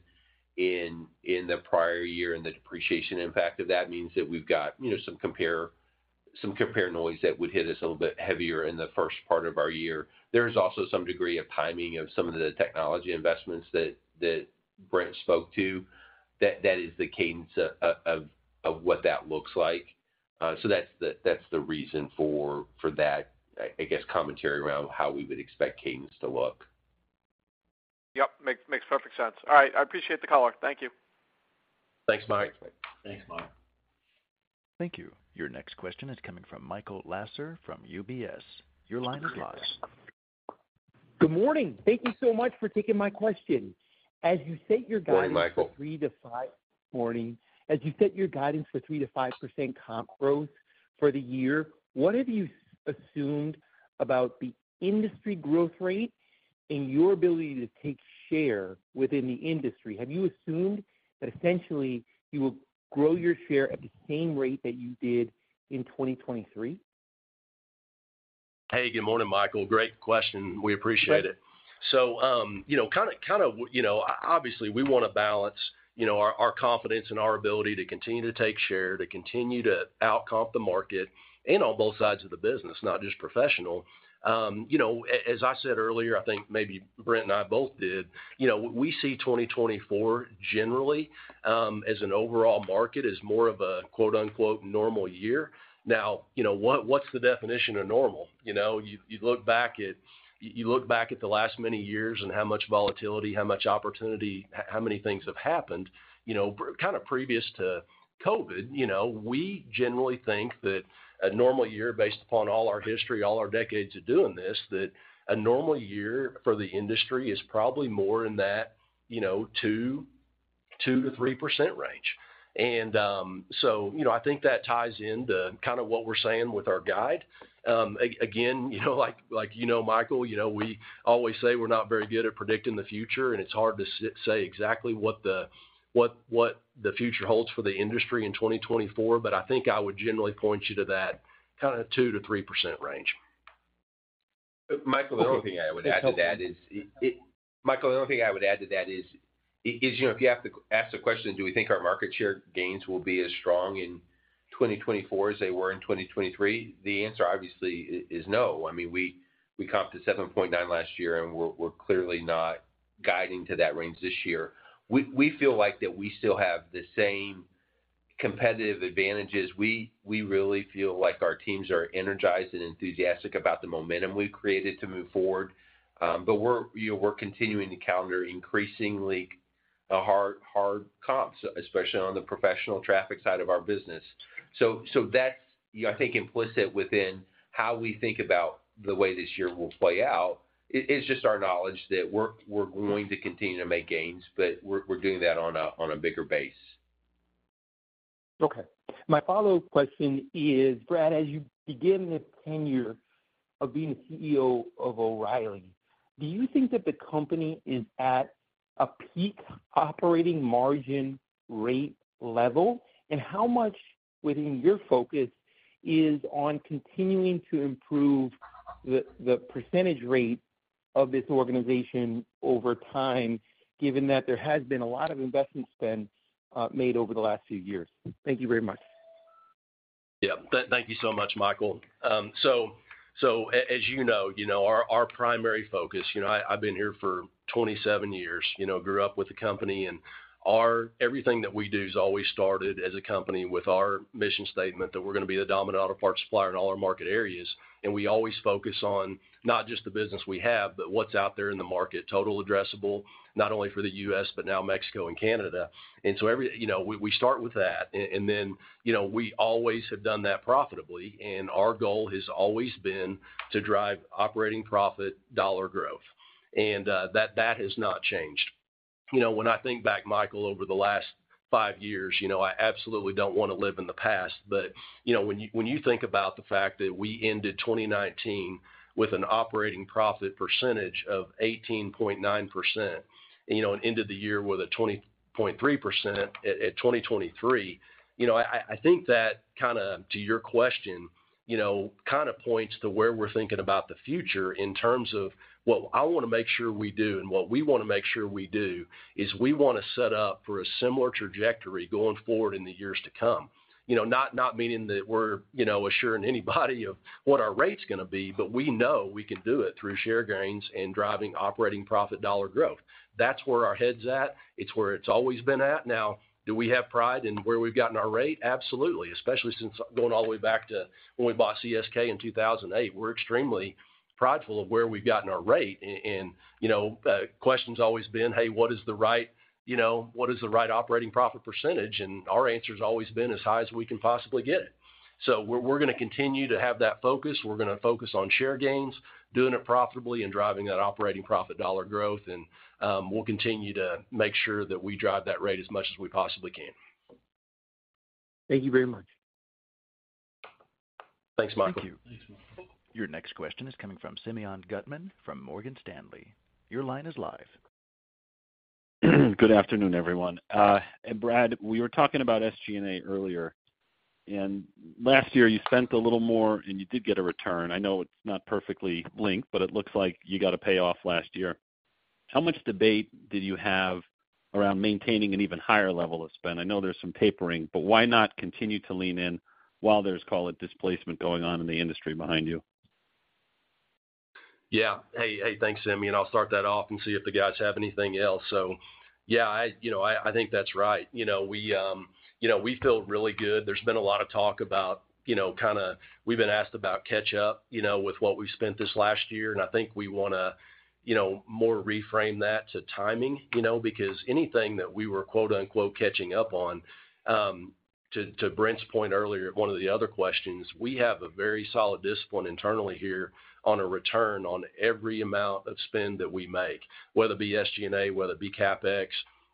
in the prior year and the depreciation impact of that means that we've got, you know, some compare noise that would hit us a little bit heavier in the first part of our year. There is also some degree of timing of some of the technology investments that Brent spoke to. That is the cadence of what that looks like. So that's the reason for that, I guess, commentary around how we would expect cadence to look. Yep, makes perfect sense. All right. I appreciate the color. Thank you. Thanks, Mike. Thanks, Mike. Thank you. Your next question is coming from Michael Lasser from UBS. Your line is live. Good morning. Thank you so much for taking my question. Good morning, Michael. As you set your guidance for 3%-5% comp growth for the year, what have you assumed about the industry growth rate and your ability to take share within the industry? Have you assumed that essentially you will grow your share at the same rate that you did in 2023? Hey, good morning, Michael. Great question. We appreciate it. So, you know, kinda, you know, obviously, we wanna balance, you know, our, our confidence and our ability to continue to take share, to continue to outcomp the market, and on both sides of the business, not just professional. You know, as I said earlier, I think maybe Brent and I both did, you know, we see 2024 generally as an overall market, as more of a, quote, unquote, “normal year.” Now, you know, what, what's the definition of normal? You know, you look back at the last many years and how much volatility, how much opportunity, how many things have happened, you know, kind of previous to COVID. You know, we generally think that a normal year, based upon all our history, all our decades of doing this, that a normal year for the industry is probably more in that, you know, 2%-3% range. And, so, you know, I think that ties into kind of what we're saying with our guide. Again, you know, like, you know, Michael, you know, we always say we're not very good at predicting the future, and it's hard to say exactly what the future holds for the industry in 2024, but I think I would generally point you to that kind of 2%-3% range. Michael, the only thing I would add to that is, you know, if you have to ask the question, do we think our market share gains will be as strong in 2024 as they were in 2023? The answer, obviously, is no. I mean, we comped to 7.9 last year, and we're clearly not guiding to that range this year. We feel like we still have the same competitive advantages. We really feel like our teams are energized and enthusiastic about the momentum we've created to move forward. But we're, you know, continuing to counter increasingly a hard, hard comps, especially on the professional traffic side of our business. So, that's, you know, I think implicit within how we think about the way this year will play out. It's just our knowledge that we're going to continue to make gains, but we're doing that on a bigger base. Okay. My follow-up question is, Brad, as you begin this tenure of being the CEO of O'Reilly, do you think that the company is at a peak operating margin rate level? And how much within your focus is on continuing to improve the, the percentage rate of this organization over time, given that there has been a lot of investment spend made over the last few years? Thank you very much. Yeah. Thank you so much, Michael. So as you know, you know, our primary focus, you know, I've been here for 27 years, you know, grew up with the company, and everything that we do is always started as a company with our mission statement, that we're gonna be the dominant auto parts supplier in all our market areas. And we always focus on not just the business we have, but what's out there in the market, total addressable, not only for the U.S., but now Mexico and Canada. And so every you know, we start with that, and then, you know, we always have done that profitably, and our goal has always been to drive operating profit dollar growth, and that has not changed. You know, when I think back, Michael, over the last five years, you know, I absolutely don't wanna live in the past, but, you know, when you, when you think about the fact that we ended 2019 with an operating profit percentage of 18.9%, you know, and ended the year with a 20.3% at, at 2023, you know, I, I think that kinda, to your question, you know, kinda points to where we're thinking about the future in terms of what I wanna make sure we do and what we wanna make sure we do, is we wanna set up for a similar trajectory going forward in the years to come. You know, not, not meaning that we're, you know, assuring anybody of what our rate's gonna be, but we know we can do it through share gains and driving operating profit dollar growth. That's where our head's at. It's where it's always been at. Now, do we have pride in where we've gotten our rate? Absolutely, especially since going all the way back to when we bought CSK in 2008. We're extremely prideful of where we've gotten our rate, and, and, you know, question's always been, Hey, what is the right, you know, what is the right operating profit percentage? And our answer's always been as high as we can possibly get it. So we're, we're gonna continue to have that focus. We're gonna focus on share gains, doing it profitably and driving that operating profit dollar growth, and we'll continue to make sure that we drive that rate as much as we possibly can. Thank you very much. Thanks, Michael. Thank you. Your next question is coming from Simeon Gutman from Morgan Stanley. Your line is live. Good afternoon, everyone. And Brad, we were talking about SG&A earlier, and last year you spent a little more, and you did get a return. I know it's not perfectly linked, but it looks like you got a payoff last year. How much debate did you have around maintaining an even higher level of spend? I know there's some tapering, but why not continue to lean in while there's, call it, displacement going on in the industry behind you? Yeah. Hey, hey, thanks, Simeon. I'll start that off and see if the guys have anything else. So, yeah, I, you know, I think that's right. You know, we, you know, we feel really good. There's been a lot of talk about, you know, kinda... We've been asked about catch up, you know, with what we've spent this last year, and I think we wanna, you know, more reframe that to timing, you know, because anything that we were, quote-unquote, catching up on, to, to Brent's point earlier, one of the other questions, we have a very solid discipline internally here on a return on every amount of spend that we make, whether it be SG&A, whether it be CapEx,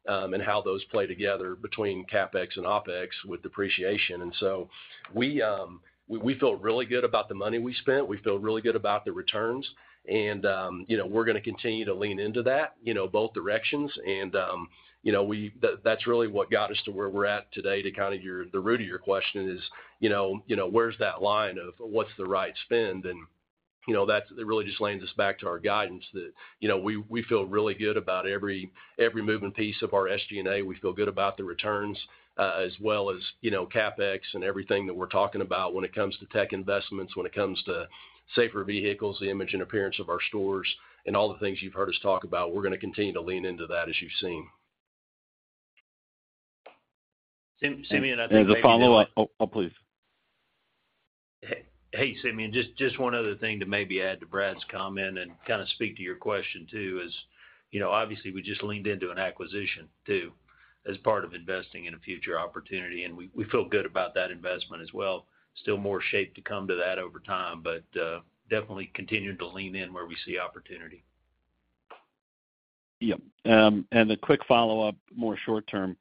and how those play together between CapEx and OpEx with depreciation. And so we, we feel really good about the money we spent. We feel really good about the returns, and you know, we're gonna continue to lean into that, you know, both directions. You know, that's really what got us to where we're at today, to kind of your, the root of your question is, you know, you know, where's that line of what's the right spend? And you know, that's it really just leans us back to our guidance that you know, we, we feel really good about every, every moving piece of our SG&A. We feel good about the returns, as well as you know, CapEx and everything that we're talking about when it comes to tech investments, when it comes to safer vehicles, the image and appearance of our stores, and all the things you've heard us talk about. We're gonna continue to lean into that, as you've seen. Simeon, I think maybe- As a follow-up. Oh, oh, please. Hey, hey, Simeon, just, just one other thing to maybe add to Brad's comment and kinda speak to your question, too, is, you know, obviously, we just leaned into an acquisition, too, as part of investing in a future opportunity, and we, we feel good about that investment as well. Still more shape to come to that over time, but definitely continuing to lean in where we see opportunity. Yeah, and a quick follow-up, more short term,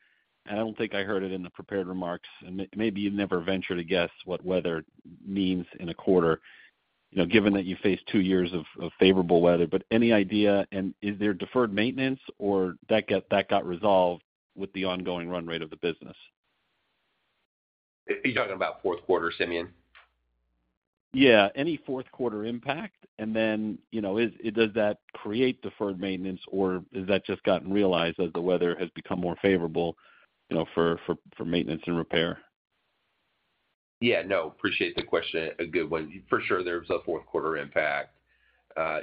and I don't think I heard it in the prepared remarks, and maybe you'd never venture to guess what weather means in a quarter, you know, given that you faced two years of favorable weather, but any idea, and is there deferred maintenance or that got resolved with the ongoing run rate of the business? You're talking about fourth quarter, Simeon? Yeah. Any fourth quarter impact, and then, you know, does that create deferred maintenance, or has that just gotten realized as the weather has become more favorable, you know, for maintenance and repair? Yeah, no, appreciate the question. A good one. For sure, there was a fourth quarter impact.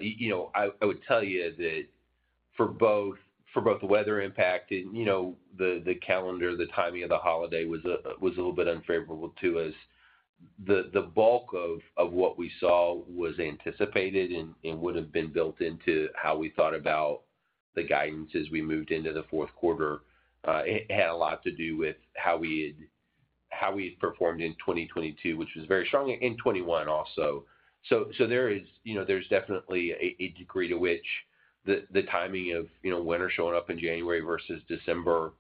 You know, I would tell you that for both the weather impact and, you know, the calendar, the timing of the holiday was a little bit unfavorable to us. The bulk of what we saw was anticipated and would have been built into how we thought about the guidance as we moved into the fourth quarter. It had a lot to do with how we had performed in 2022, which was very strong, and 2021 also. So there is, you know, there's definitely a degree to which the timing of, you know, winter showing up in January versus December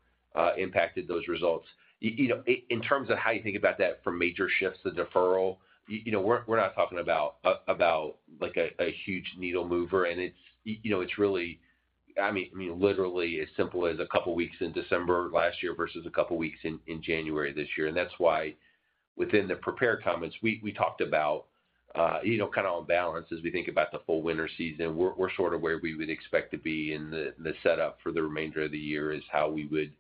impacted those results. You know, in terms of how you think about that from major shifts to deferral, you know, we're not talking about like a huge needle mover. And it's, you know, it's really I mean literally as simple as a couple of weeks in December last year versus a couple of weeks in January this year. And that's why within the prepared comments, we talked about, you know, kind of on balance, as we think about the full winter season, we're sort of where we would expect to be in the setup for the remainder of the year is how we would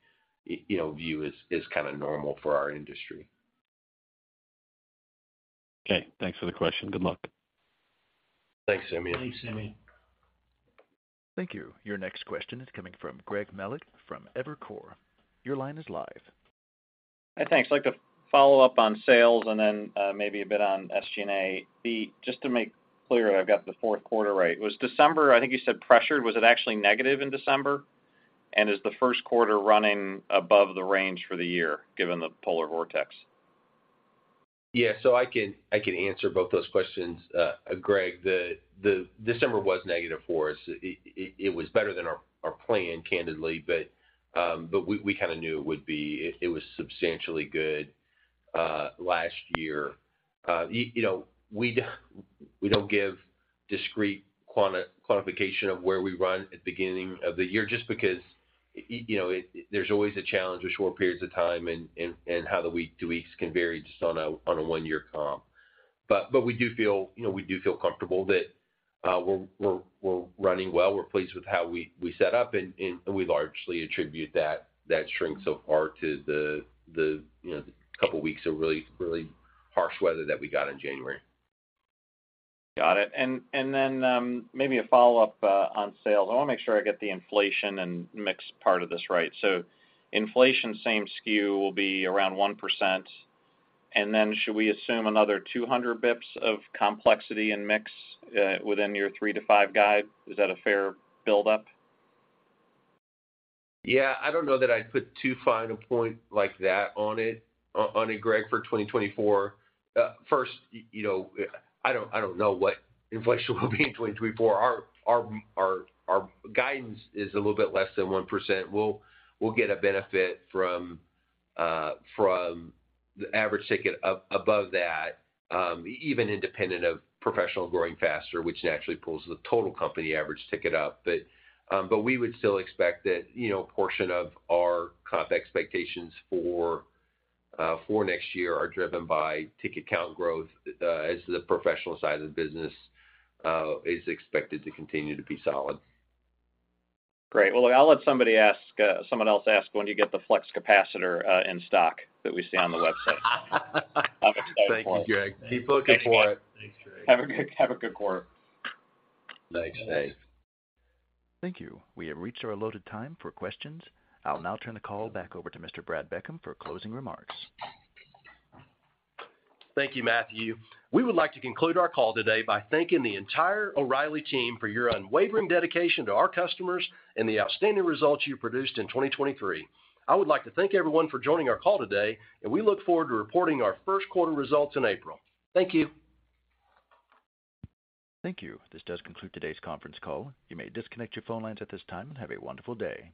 view as kind of normal for our industry. Okay, thanks for the question. Good luck. Thanks, Simeon. Thanks, Simeon. Thank you. Your next question is coming from Greg Melich from Evercore. Your line is live. Hey, thanks. I'd like to follow up on sales and then, maybe a bit on SG&A. Just to make clear, I've got the fourth quarter right. Was December, I think you said, pressured? Was it actually negative in December? And is the first quarter running above the range for the year, given the polar vortex? Yeah. So I can answer both those questions, Greg. The December was negative for us. It was better than our plan, candidly, but we kind of knew it would be. It was substantially good last year. You know, we don't give discrete quantification of where we run at the beginning of the year just because, you know, there's always a challenge with short periods of time and how the week to weeks can vary just on a one-year comp. But we do feel, you know, we do feel comfortable that we're running well. We're pleased with how we set up, and we largely attribute that strength so far to the, you know, couple of weeks of really harsh weather that we got in January. Got it. And, and then, maybe a follow-up on sales. I want to make sure I get the inflation and mix part of this right. So inflation, same SKU will be around 1%, and then should we assume another 200 basis points of complexity and mix within your 3-5 guide? Is that a fair buildup? Yeah. I don't know that I'd put too fine a point like that on it, Greg, for 2024. First, you know, I don't know what inflation will be in 2024. Our guidance is a little bit less than 1%. We'll get a benefit from the average ticket above that, even independent of professional growing faster, which naturally pulls the total company average ticket up. But we would still expect that, you know, a portion of our comp expectations for next year are driven by ticket count growth, as the professional side of the business is expected to continue to be solid. Great. Well, I'll let somebody ask someone else ask when you get the Flux Capacitor in stock that we see on the website. I'm excited for it. Thank you, Greg. Keep looking for it. Thanks, Greg. Have a good quarter. Thanks. Thank you. We have reached our allotted time for questions. I'll now turn the call back over to Mr. Brad Beckham for closing remarks. Thank you, Matthew. We would like to conclude our call today by thanking the entire O'Reilly team for your unwavering dedication to our customers and the outstanding results you produced in 2023. I would like to thank everyone for joining our call today, and we look forward to reporting our first quarter results in April. Thank you. Thank you. This does conclude today's conference call. You may disconnect your phone lines at this time, and have a wonderful day.